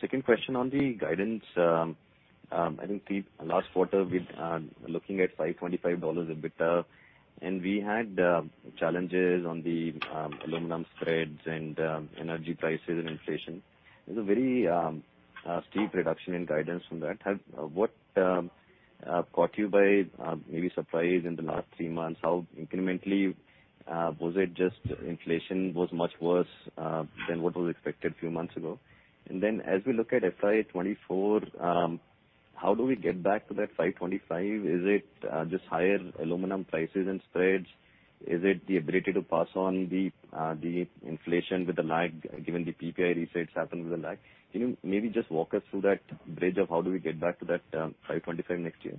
Second question on the guidance. I think the last quarter with looking at $525 EBITDA, and we had challenges on the aluminum spreads and energy prices and inflation. There's a very steep reduction in guidance from that. What caught you by maybe surprise in the last three months? How incrementally was it just inflation was much worse than what was expected a few months ago? As we look at FY 2024, how do we get back to that $525? Is it just higher aluminum prices and spreads? Is it the ability to pass on the inflation with a lag, given the PPI resets happen with a lag? Can you maybe just walk us through that bridge of how do we get back to that, $525 next year?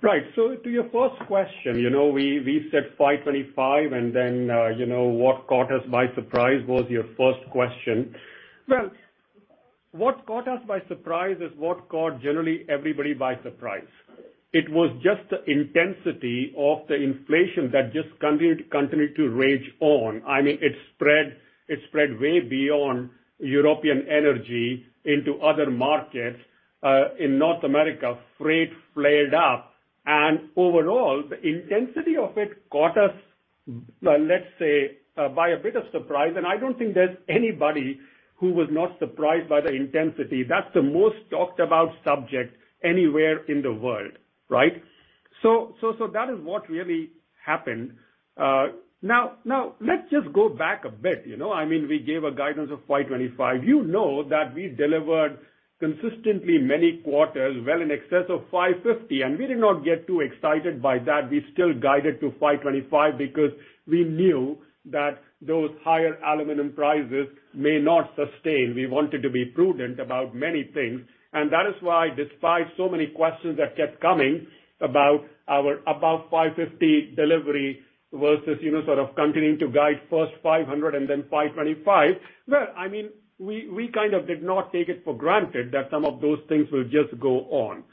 Right. To your first question, you know, we said 525, and then, you know, what caught us by surprise was your first question. Well, what caught us by surprise is what caught generally everybody by surprise. It was just the intensity of the inflation that just continued to rage on. I mean, it spread way beyond European energy into other markets. In North America, freight flared up, and overall, the intensity of it caught us, let's say, by a bit of surprise, and I don't think there's anybody who was not surprised by the intensity. That's the most talked about subject anywhere in the world, right? That is what really happened. Now, let's just go back a bit. You know, I mean, we gave a guidance of 525. You know that we delivered consistently many quarters well in excess of 550. We did not get too excited by that. We still guided to 525 because we knew that those higher aluminum prices may not sustain. We wanted to be prudent about many things, and that is why, despite so many questions that kept coming about our above 550 delivery versus, you know, sort of continuing to guide first 500 and then 525, well, I mean, we kind of did not take it for granted that some of those things will just go on.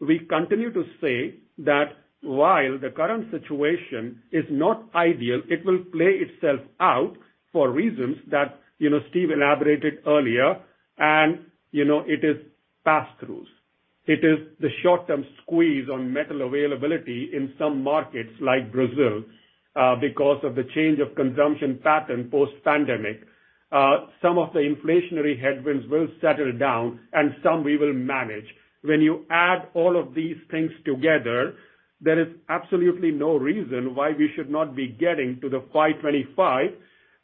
We continue to say that while the current situation is not ideal, it will play itself out for reasons that, you know, Steve elaborated earlier. You know, it is pass-throughs. It is the short-term squeeze on metal availability in some markets like Brazil, because of the change of consumption pattern post-pandemic. Some of the inflationary headwinds will settle down and some we will manage. You add all of these things together, there is absolutely no reason why we should not be getting to the FY24.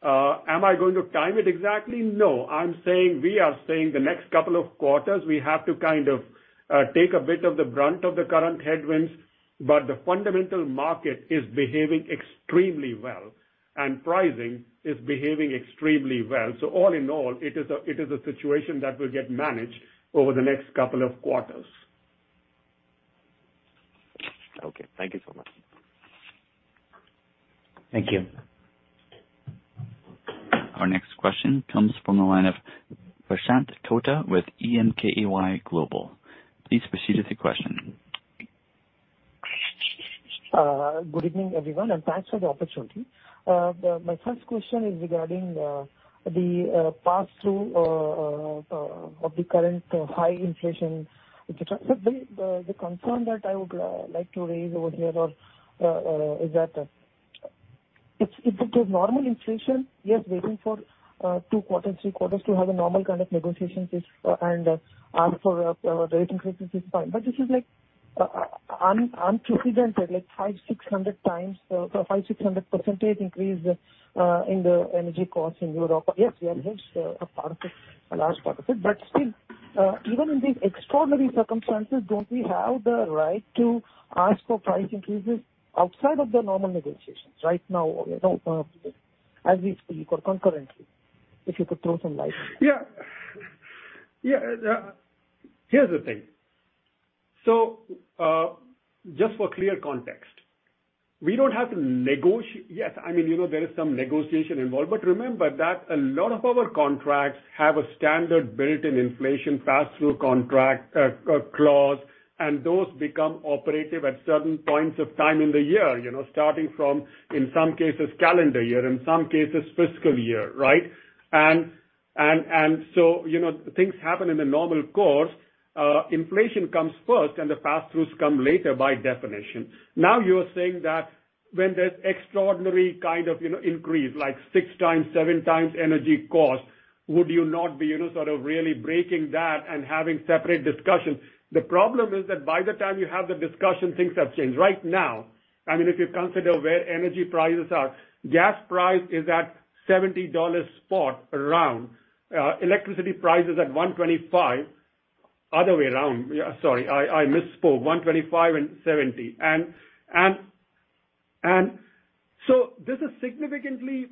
Am I going to time it exactly? No. I'm saying, we are saying the next couple of quarters, we have to kind of, take a bit of the brunt of the current headwinds, but the fundamental market is behaving extremely well, and pricing is behaving extremely well. All in all, it is a situation that will get managed over the next couple of quarters. Okay, thank you so much. Thank you. Our next question comes from the line of Prashant Tota with Emkay Global. Please proceed with your question. Good evening, everyone, thanks for the opportunity. My first question is regarding the pass-through of the current high inflation. The concern that I would like to raise over here or is that if it is normal inflation, yes, waiting for two quarters, three quarters to have a normal kind of negotiations is and ask for a rate increase is fine. This is like unprecedented, like 5,600x, 5,600% increase in the energy costs in Europe. Yes, we are just a part of it, a large part of it. Still, even in these extraordinary circumstances, don't we have the right to ask for price increases outside of the normal negotiations right now, as we speak, or concurrently, if you could throw some light? Yeah. Yeah, here's the thing. Just for clear context, we don't have to. Yes, I mean, you know, there is some negotiation involved, but remember that a lot of our contracts have a standard built-in inflation pass-through contract, clause, and those become operative at certain points of time in the year, you know, starting from, in some cases, calendar year, in some cases, fiscal year, right? You know, things happen in the normal course. Inflation comes first, and the pass-throughs come later, by definition. Now, you're saying that when there's extraordinary kind of, you know, increase, like six times, seven times energy cost, would you not be, you know, sort of really breaking that and having separate discussions? The problem is that by the time you have the discussion, things have changed. Right now, I mean, if you consider where energy prices are, gas price is at $70 spot around, electricity price is at $125. Other way around. Yeah, sorry, I misspoke. $125 and $70. This is significantly,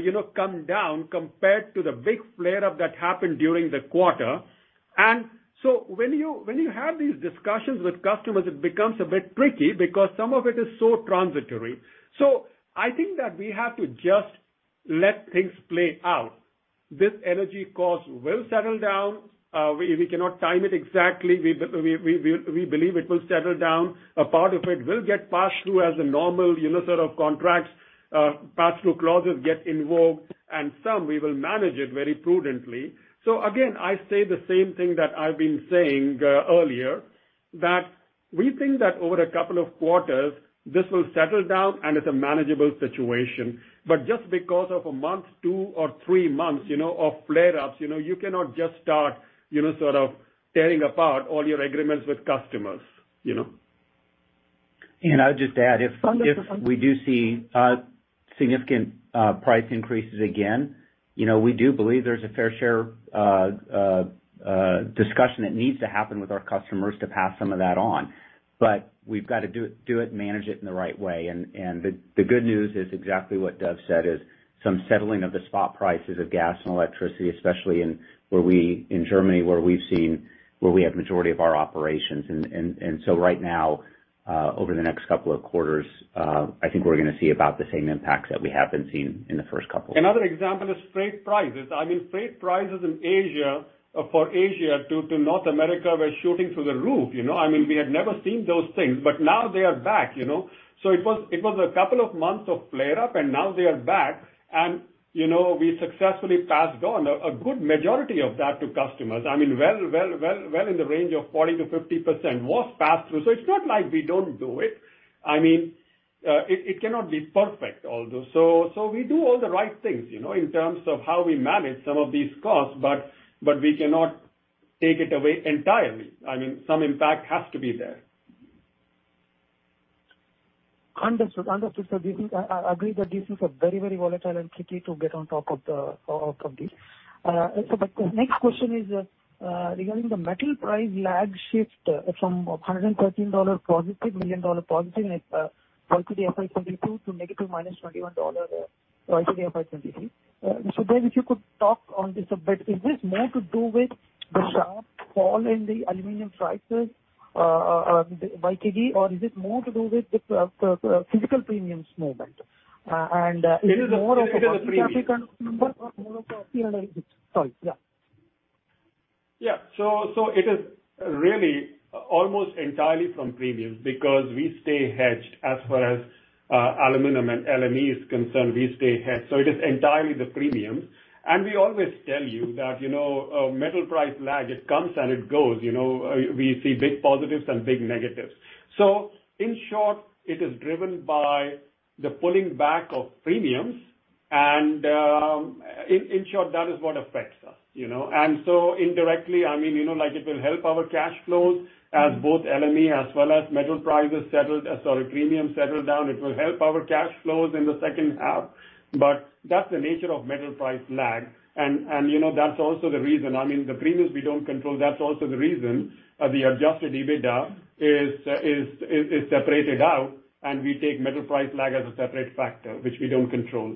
you know, come down compared to the big flare-up that happened during the quarter. When you, when you have these discussions with customers, it becomes a bit tricky because some of it is so transitory. I think that we have to just let things play out. This energy cost will settle down. We cannot time it exactly, we believe it will settle down. A part of it will get passed through as a normal, you know, sort of contracts, pass-through clauses get involved, and some we will manage it very prudently. Again, I say the same thing that I've been saying earlier, that we think that over a couple of quarters, this will settle down, and it's a manageable situation. Just because of a month, two or three months, you know, of flare-ups, you know, you cannot just start, you know, sort of tearing apart all your agreements with customers, you know. I would just add, if we do see, significant, price increases again, you know, we do believe there's a fair share, discussion that needs to happen with our customers to pass some of that on. We've got to do it, manage it in the right way. The good news is exactly what Dev said, is some settling of the spot prices of gas and electricity, especially in Germany, where we've seen, where we have majority of our operations. Right now, over the next couple of quarters, I think we're gonna see about the same impacts that we have been seeing in the first couple quarters. Another example is freight prices. Freight prices in Asia for Asia to North America were shooting through the roof, you know? We had never seen those things, but now they are back, you know. It was a couple of months of flare up, and now they are back, and, you know, we successfully passed on a good majority of that to customers. Well in the range of 40%-50% was passed through. It's not like we don't do it. It cannot be perfect, although. We do all the right things, you know, in terms of how we manage some of these costs, but we cannot take it away entirely. Some impact has to be there. Understood. Understood, sir. I agree that this is a very, very volatile entity to get on top of this. The next question is regarding the metal price lag shift from a $113 million positive YTD FY22 to negative $21 YTD FY23. Dev, if you could talk on this a bit. Is this more to do with the sharp fall in the aluminum prices YTD, or is it more to do with the physical premiums movement? It is more of a premium number? More of a premium. Sorry, yeah. So it is really almost entirely from premiums, because we stay hedged as far as aluminum and LME is concerned, we stay hedged. It is entirely the premiums. We always tell you that, you know, metal price lag, it comes, and it goes, you know, we see big positives and big negatives. In short, it is driven by the pulling back of premiums, and in short, that is what affects us, you know? Indirectly, I mean, you know, like it will help our cash flows as both LME as well as metal prices settle, sorry, premiums settle down, it will help our cash flows in the second half, but that's the nature of metal price lag. You know, that's also the reason. I mean, the premiums we don't control, that's also the reason the adjusted EBITDA is separated out, and we take metal price lag as a separate factor, which we don't control.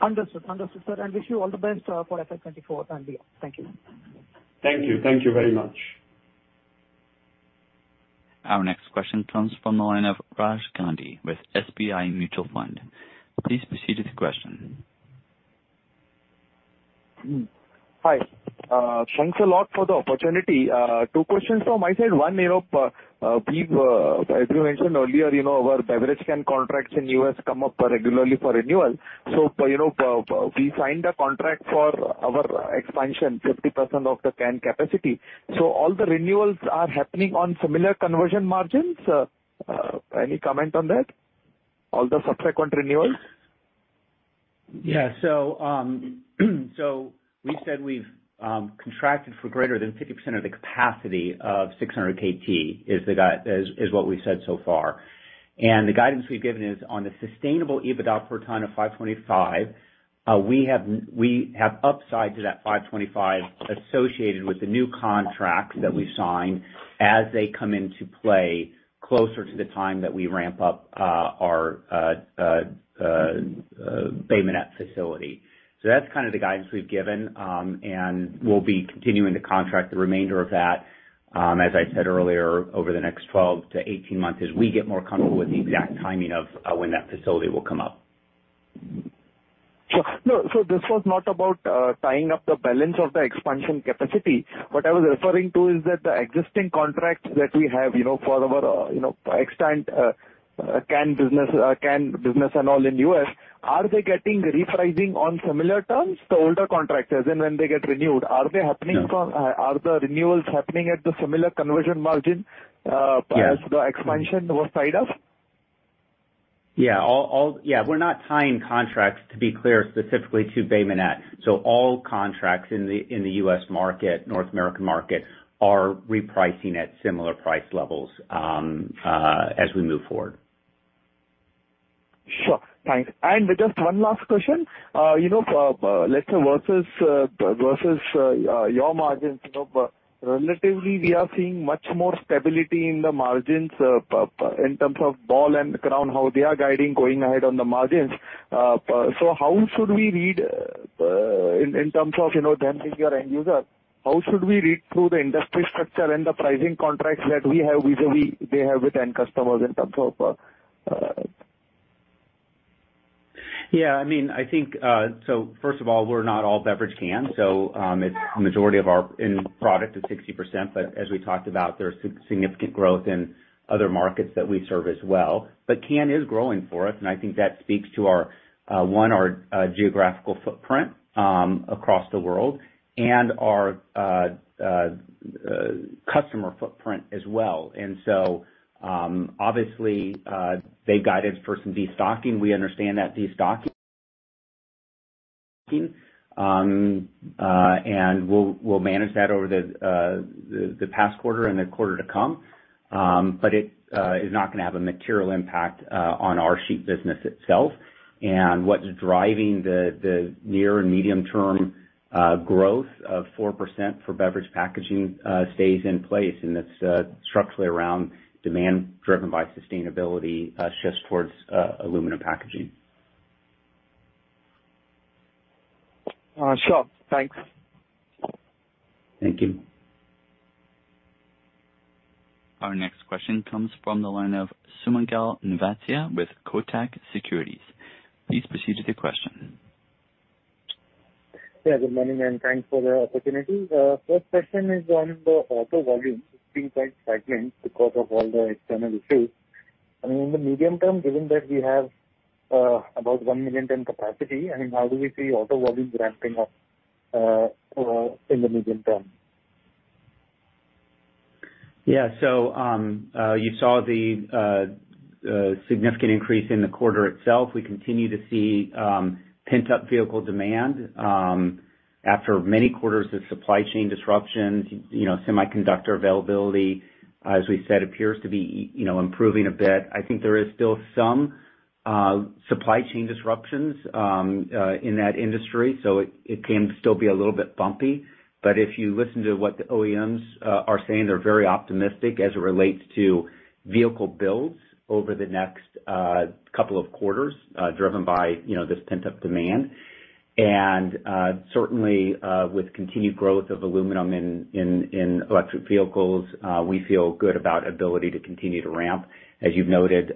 Understood. Understood, sir, and wish you all the best for FY 2024 and beyond. Thank you. Thank you. Thank you very much. Our next question comes from the line of Raj Gandhi with SBI Mutual Fund. Please proceed with your question. Hi, thanks a lot for the opportunity. Two questions from my side. One, you know, we, as you mentioned earlier, you know, our beverage can contracts in U.S. come up regularly for renewal. You know, we signed a contract for our expansion, 50% of the can capacity. All the renewals are happening on similar conversion margins? Any comment on that, all the subsequent renewals? Yeah. We said we've contracted for greater than 50% of the capacity of 600 KT, is what we've said so far. The guidance we've given is on the sustainable EBITDA per ton of $525, we have upside to that $525 associated with the new contract that we've signed, as they come into play closer to the time that we ramp up our Bay Minette facility. That's kind of the guidance we've given. We'll be continuing to contract the remainder of that, as I said earlier, over the next 12 to 18 months, as we get more comfortable with the exact timing of when that facility will come up. Sure. No, this was not about tying up the balance of the expansion capacity. What I was referring to is that the existing contracts that we have for our extent can business and all in U.S., are they getting repricing on similar terms to older contractors? When they get renewed, are they happening from- Yeah. Are the renewals happening at the similar conversion margin? Yeah. as the expansion was tied up? Yeah, we're not tying contracts, to be clear, specifically to Bay Minette. All contracts in the, in the U.S. market, North American market, are repricing at similar price levels as we move forward. Sure. Thanks. Just one last question. You know, let's say versus versus your margins, you know, relatively, we are seeing much more stability in the margins in terms of Ball and Crown, how they are guiding going ahead on the margins. How should we read in terms of, you know, them being your end user, how should we read through the industry structure and the pricing contracts that we have, vis-a-vis, they have with end customers in terms of? Yeah, I mean, I think, first of all, we're not all beverage cans, it's the majority of our end product is 60%. As we talked about, there's significant growth in other markets that we serve as well. Can is growing for us, and I think that speaks to our, one, our, geographical footprint, across the world and our, customer footprint as well. Obviously, they guided for some destocking. We understand that destocking, and we'll manage that over the, the past quarter and the quarter to come. It is not gonna have a material impact on our sheet business itself. What's driving the near and medium term growth of 4% for beverage packaging stays in place, and it's structurally around demand, driven by sustainability, shifts towards aluminum packaging. Sure. Thanks. Thank you. Our next question comes from the line of Sumangal Nevlani with Kotak Securities. Please proceed with your question. Yeah, good morning, and thanks for the opportunity. First question is on the auto volume. It's been quite stagnant because of all the external issues. I mean, in the medium term, given that we have, about one million ton capacity, I mean, how do we see auto volume ramping up, in the medium term? You saw the significant increase in the quarter itself. We continue to see pent-up vehicle demand after many quarters of supply chain disruptions. You know, semiconductor availability, as we said, appears to be, you know, improving a bit. I think there is still some supply chain disruptions in that industry, so it can still be a little bit bumpy. If you listen to what the OEMs are saying, they're very optimistic as it relates to vehicle builds over the next couple of quarters, driven by, you know, this pent-up demand. Certainly, with continued growth of aluminum in electric vehicles, we feel good about ability to continue to ramp. As you've noted,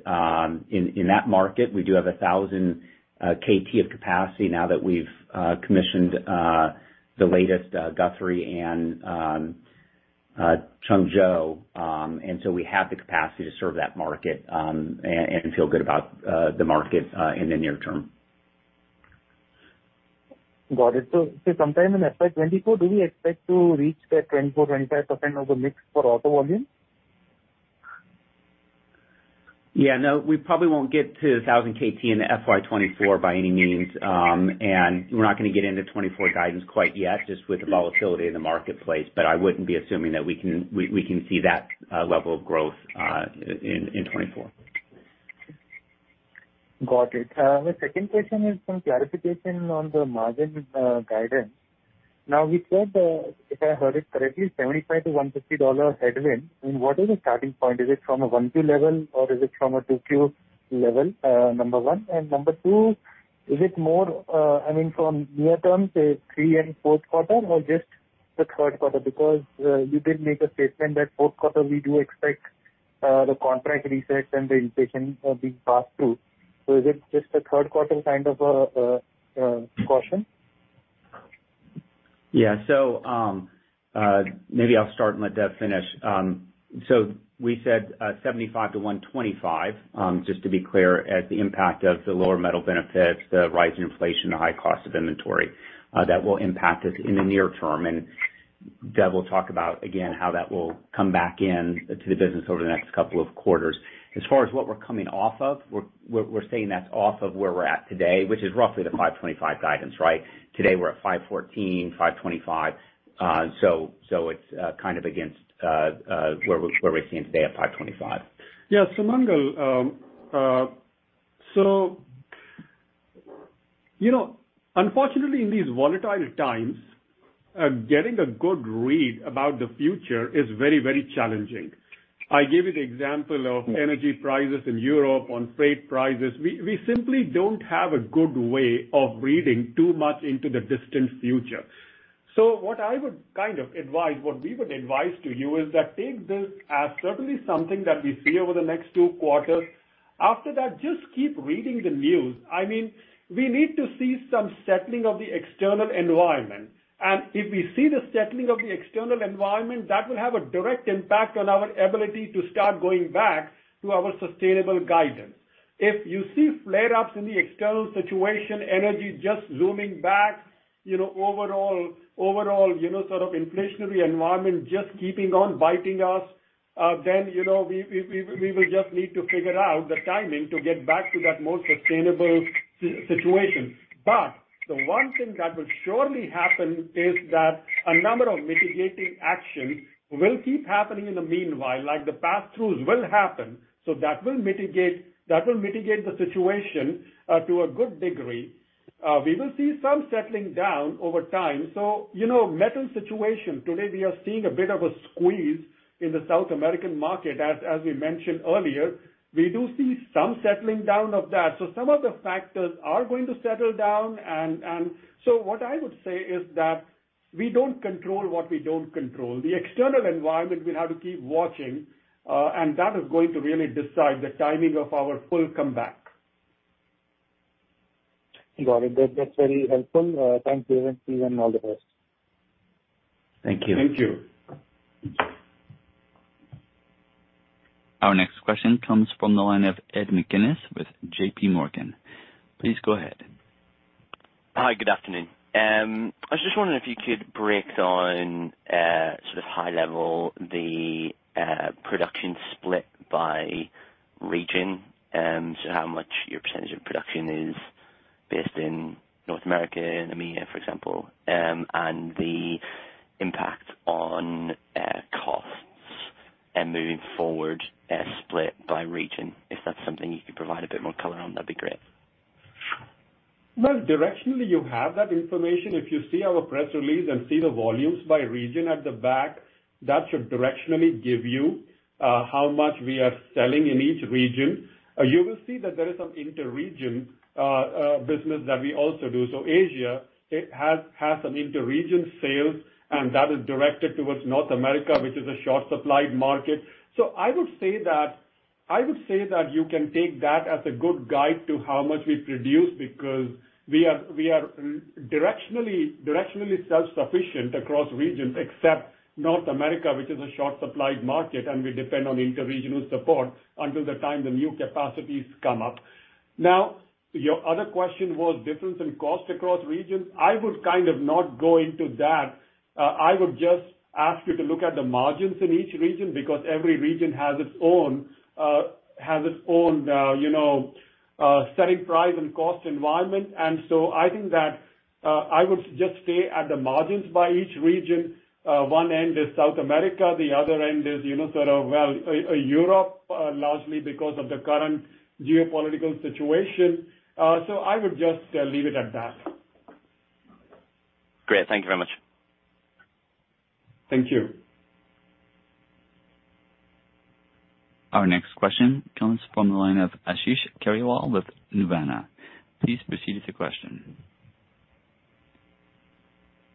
in that market, we do have 1,000 KT of capacity now that we've commissioned the latest Guthrie and Yeongju. We have the capacity to serve that market, and feel good about the market in the near term. Got it. Sometime in FY 2024, do we expect to reach that 24%-25% of the mix for auto volume? Yeah, no, we probably won't get to 1,000 KT in the FY 2024 by any means. We're not gonna get into 2024 guidance quite yet, just with the volatility in the marketplace. I wouldn't be assuming that we can see that level of growth in 2024. Got it. The second question is from clarification on the margin guidance. Now, we said, if I heard it correctly, $75-$150 headwind, I mean, what is the starting point? Is it from a 1Q level, or is it from a 2Q level? Number one and number two, is it more, I mean, from near term, say, three and fourth quarter, or just the third quarter? You did make a statement that fourth quarter we do expect the contract reset and the inflation being passed through. Is it just a third quarter kind of a caution? Yeah. Maybe I'll start and let Dev finish. We said $75-$125, just to be clear, as the impact of the lower metal benefits, the rise in inflation, the high cost of inventory, that will impact us in the near term. Dev will talk about, again, how that will come back in to the business over the next couple of quarters. As far as what we're coming off of, we're saying that's off of where we're at today, which is roughly the $525 guidance, right? Today, we're at $514, $525. It's kind of against where we stand today at $525. Yeah, Sumangal, you know, unfortunately, in these volatile times, getting a good read about the future is very, very challenging. I gave you the example of energy prices in Europe, on freight prices. We simply don't have a good way of reading too much into the distant future. What I would kind of advise, what we would advise to you, is that take this as certainly something that we see over the next two quarters. After that, just keep reading the news. I mean, we need to see some settling of the external environment, and if we see the settling of the external environment, that will have a direct impact on our ability to start going back to our sustainable guidance. If you see flare-ups in the external situation, energy just looming back, you know, overall, you know, sort of inflationary environment, just keeping on biting us, then, you know, we will just need to figure out the timing to get back to that more sustainable situation. The one thing that will surely happen is that a number of mitigating actions will keep happening in the meanwhile, like the pass-throughs will happen, so that will mitigate the situation to a good degree. We will see some settling down over time. You know, metal situation, today, we are seeing a bit of a squeeze in the South American market. As we mentioned earlier, we do see some settling down of that. Some of the factors are going to settle down. What I would say is that we don't control what we don't control. The external environment, we'll have to keep watching, and that is going to really decide the timing of our full comeback. Got it. That's very helpful. Thank you, and please, and all the best. Thank you. Thank you. Our next question comes from the line of Pinakin Parekh with JP Morgan. Please go ahead. Hi, good afternoon. I was just wondering if you could break down, sort of high level, the production split by region, so how much your percentage of production is based in North America and EMEA, for example, and the impact on costs and moving forward, split by region. If that's something you could provide a bit more color on, that'd be great. Well, directionally, you have that information. If you see our press release and see the volumes by region at the back, that should directionally give you how much we are selling in each region. You will see that there is some inter-region business that we also do. Asia, it has an inter-region sales, and that is directed towards North America, which is a short supplied market. I would say that you can take that as a good guide to how much we produce, because we are directionally self-sufficient across regions, except North America, which is a short supplied market, and we depend on interregional support until the time the new capacities come up. Your other question was difference in cost across regions. I would kind of not go into that. I would just ask you to look at the margins in each region, because every region has its own, has its own, you know, selling price and cost environment. I think that, I would just stay at the margins by each region. One end is South America, the other end is, you know, sort of, well, Europe, largely because of the current geopolitical situation. I would just leave it at that. Great. Thank you very much. Thank you. Our next question comes from the line of Ashish Kejriwal with Nuvama. Please proceed with your question.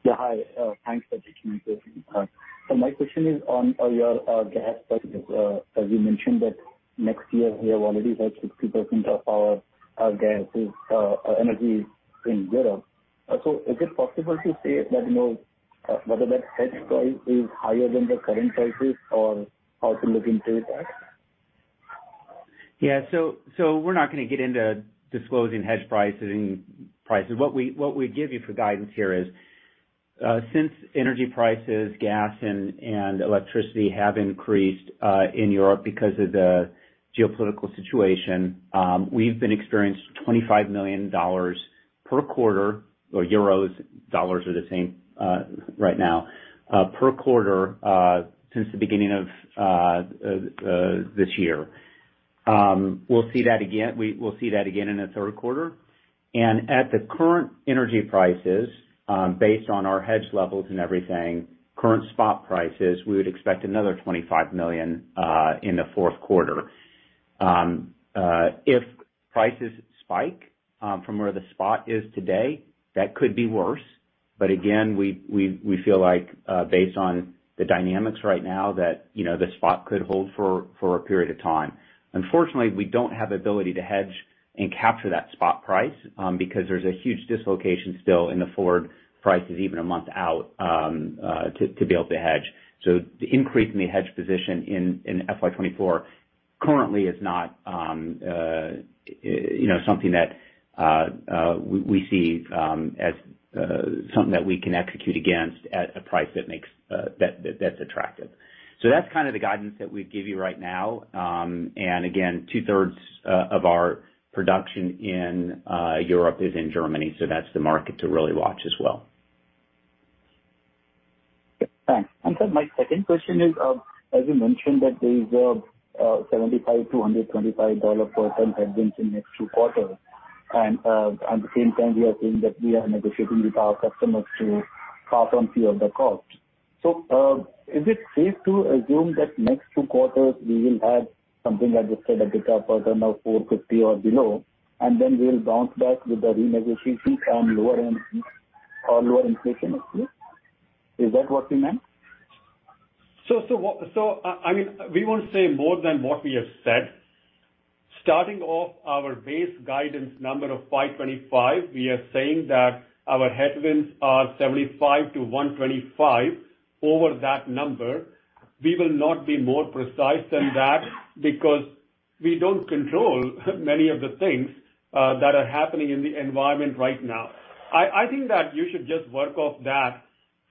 Hi, thanks for taking my question. My question is on your gas prices. As you mentioned that next year, we have already heard 60% of our gas is energy in Europe. Is it possible to say that, you know, whether that hedge price is higher than the current prices or how to look into that? We're not gonna get into disclosing hedge prices and prices. What we'd give you for guidance here is, since energy prices, gas and electricity have increased in Europe because of the geopolitical situation, we've been experienced $25 million per quarter or euros, dollars are the same, right now, per quarter, since the beginning of this year. We will see that again in the third quarter. At the current energy prices, based on our hedge levels and everything, current spot prices, we would expect another $25 million in the fourth quarter. If prices spike, from where the spot is today, that could be worse, but again, we feel like, based on the dynamics right now, that, you know, the spot could hold for a period of time. Unfortunately, we don't have the ability to hedge and capture that spot price, because there's a huge dislocation still in the forward prices, even a month out, to be able to hedge. The increase in the hedge position in FY 2024 currently is not, you know, something that we see as something that we can execute against at a price that makes that's attractive. That's kind of the guidance that we'd give you right now. Again, two-thirds of our production in Europe is in Germany, that's the market to really watch as well. Thanks. Sir, my second question is, as you mentioned, that there is a $75-$125 per ton headwinds in next two quarters, and at the same time, we are saying that we are negotiating with our customers to pass on few of the costs. Is it safe to assume that next two quarters we will have something like let's say like a top or $450 or below, and then we'll bounce back with the renegotiation and lower end or lower inflation next year? Is that what you meant? I mean, we won't say more than what we have said. Starting off our base guidance number of $525, we are saying that our headwinds are $75-$125. Over that number, we will not be more precise than that, because we don't control many of the things that are happening in the environment right now. I think that you should just work off that.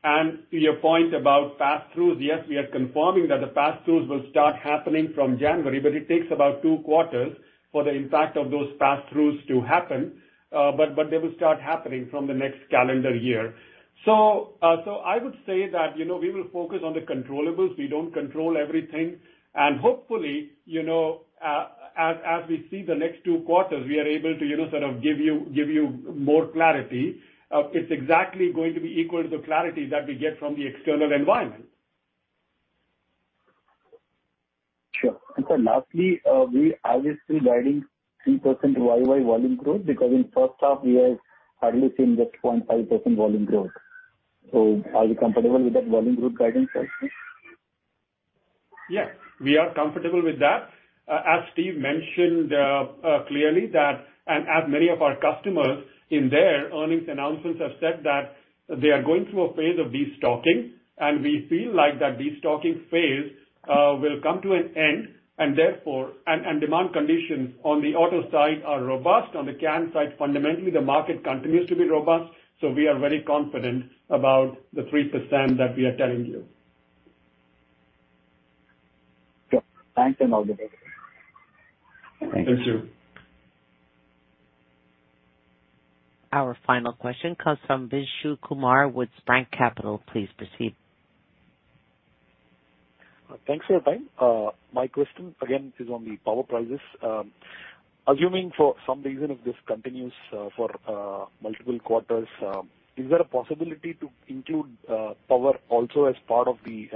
To your point about pass-throughs, yes, we are confirming that the pass-throughs will start happening from January, it takes about two quarters for the impact of those pass-throughs to happen, but they will start happening from the next calendar year. I would say that, you know, we will focus on the controllables. We don't control everything, and hopefully, you know, as we see the next two quarters, we are able to, you know, sort of give you more clarity. It's exactly going to be equal to the clarity that we get from the external environment. Sure. sir, lastly, we still guiding 3% YY volume growth, because in first half we have hardly seen just 0.5% volume growth. Are you comfortable with that volume growth guidance also? Yes, we are comfortable with that. As Steve mentioned, clearly that, and as many of our customers in their earnings announcements have said that they are going through a phase of destocking, and we feel like that destocking phase will come to an end, and therefore. Demand conditions on the auto side are robust. On the can side, fundamentally, the market continues to be robust, so we are very confident about the 3% that we are telling you. Sure. Thank you, sir. Thank you. Our final question comes from Ritesh Kumar with Rank Capital. Please proceed. Thanks for your time. My question again is on the power prices. Assuming for some reason, if this continues for multiple quarters, is there a possibility to include power also as part of the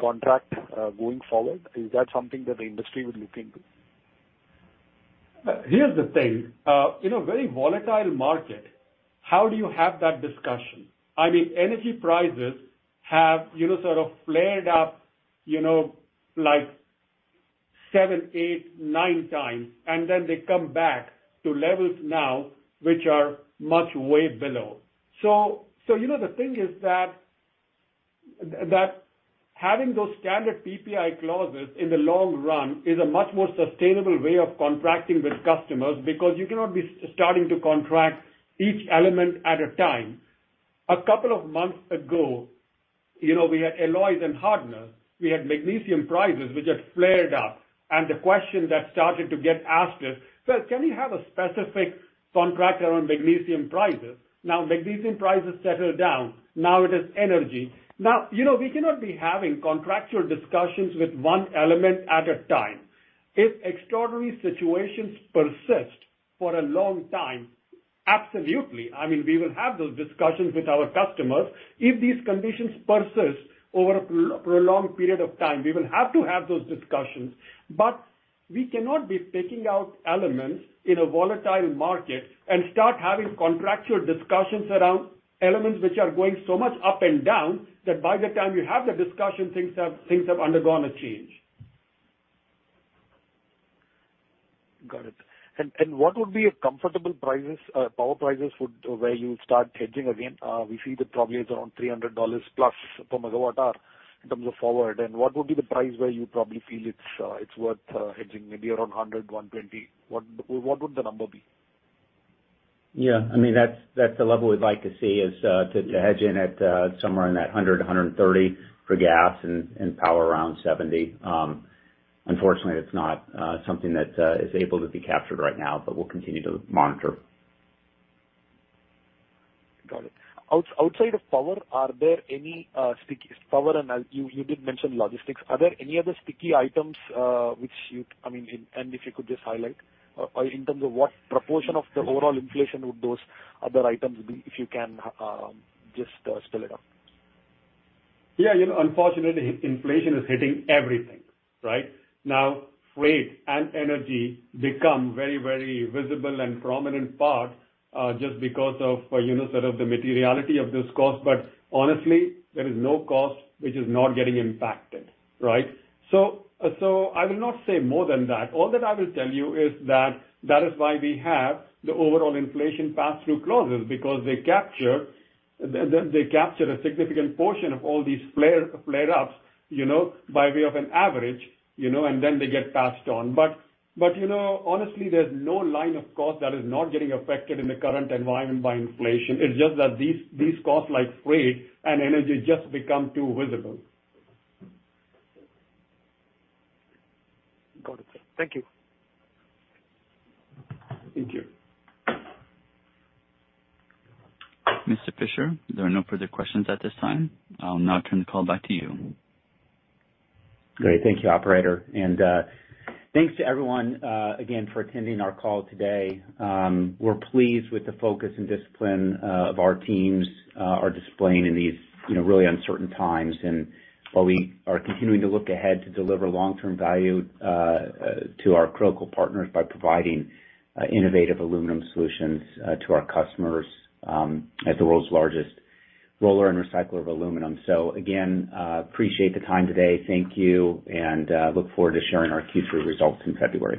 contract going forward? Is that something that the industry would look into? Here's the thing, in a very volatile market, how do you have that discussion? I mean, energy prices have, you know, sort of flared up, you know, like 7, 8, 9 times, and then they come back to levels now which are much way below. You know, the thing is that having those standard PPI clauses in the long run is a much more sustainable way of contracting with customers, because you cannot be starting to contract each element at a time. A couple of months ago, you know, we had alloys and hardeners, we had magnesium prices, which had flared up, and the question that started to get asked is, "Well, can we have a specific contract around magnesium prices?" Magnesium prices settle down. It is energy. You know, we cannot be having contractual discussions with one element at a time. If extraordinary situations persist for a long time, absolutely. I mean, we will have those discussions with our customers. If these conditions persist over a prolonged period of time, we will have to have those discussions. We cannot be picking out elements in a volatile market and start having contractual discussions around elements which are going so much up and down, that by the time you have the discussion, things have undergone a change. Got it. What would be a comfortable prices, power prices would, where you start hedging again? We see that probably it's around $300 plus per megawatt hour in terms of forward. What would be the price where you probably feel it's worth, hedging maybe around 100, 120? What would the number be? Yeah, I mean, that's the level we'd like to see is to hedge in at somewhere in that $100, $130 for gas and power around $70. Unfortunately, it's not something that is able to be captured right now, but we'll continue to monitor. Got it. Outside of power, are there any sticky power? You did mention logistics. Are there any other sticky items, I mean, and if you could just highlight, or in terms of what proportion of the overall inflation would those other items be, if you can, just spell it out. Yeah, you know, unfortunately, inflation is hitting everything, right? Now, freight and energy become very, very visible and prominent part, just because of, you know, sort of the materiality of this cost. Honestly, there is no cost which is not getting impacted, right? I will not say more than that. All that I will tell you is that is why we have the overall inflation pass-through clauses, because they capture a significant portion of all these flared ups, you know, by way of an average, you know, and then they get passed on. You know, honestly, there's no line of cost that is not getting affected in the current environment by inflation. It's just that these costs like freight and energy, just become too visible. Got it. Thank you. Thank you. Mr. Fisher, there are no further questions at this time. I'll now turn the call back to you. Great. Thank you, operator. Thanks to everyone again for attending our call today. We're pleased with the focus and discipline of our teams are displaying in these, you know, really uncertain times. While we are continuing to look ahead to deliver long-term value to our critical partners by providing innovative aluminum solutions to our customers as the world's largest roller and recycler of aluminum. Again, appreciate the time today. Thank you, and look forward to sharing our Q3 results in February.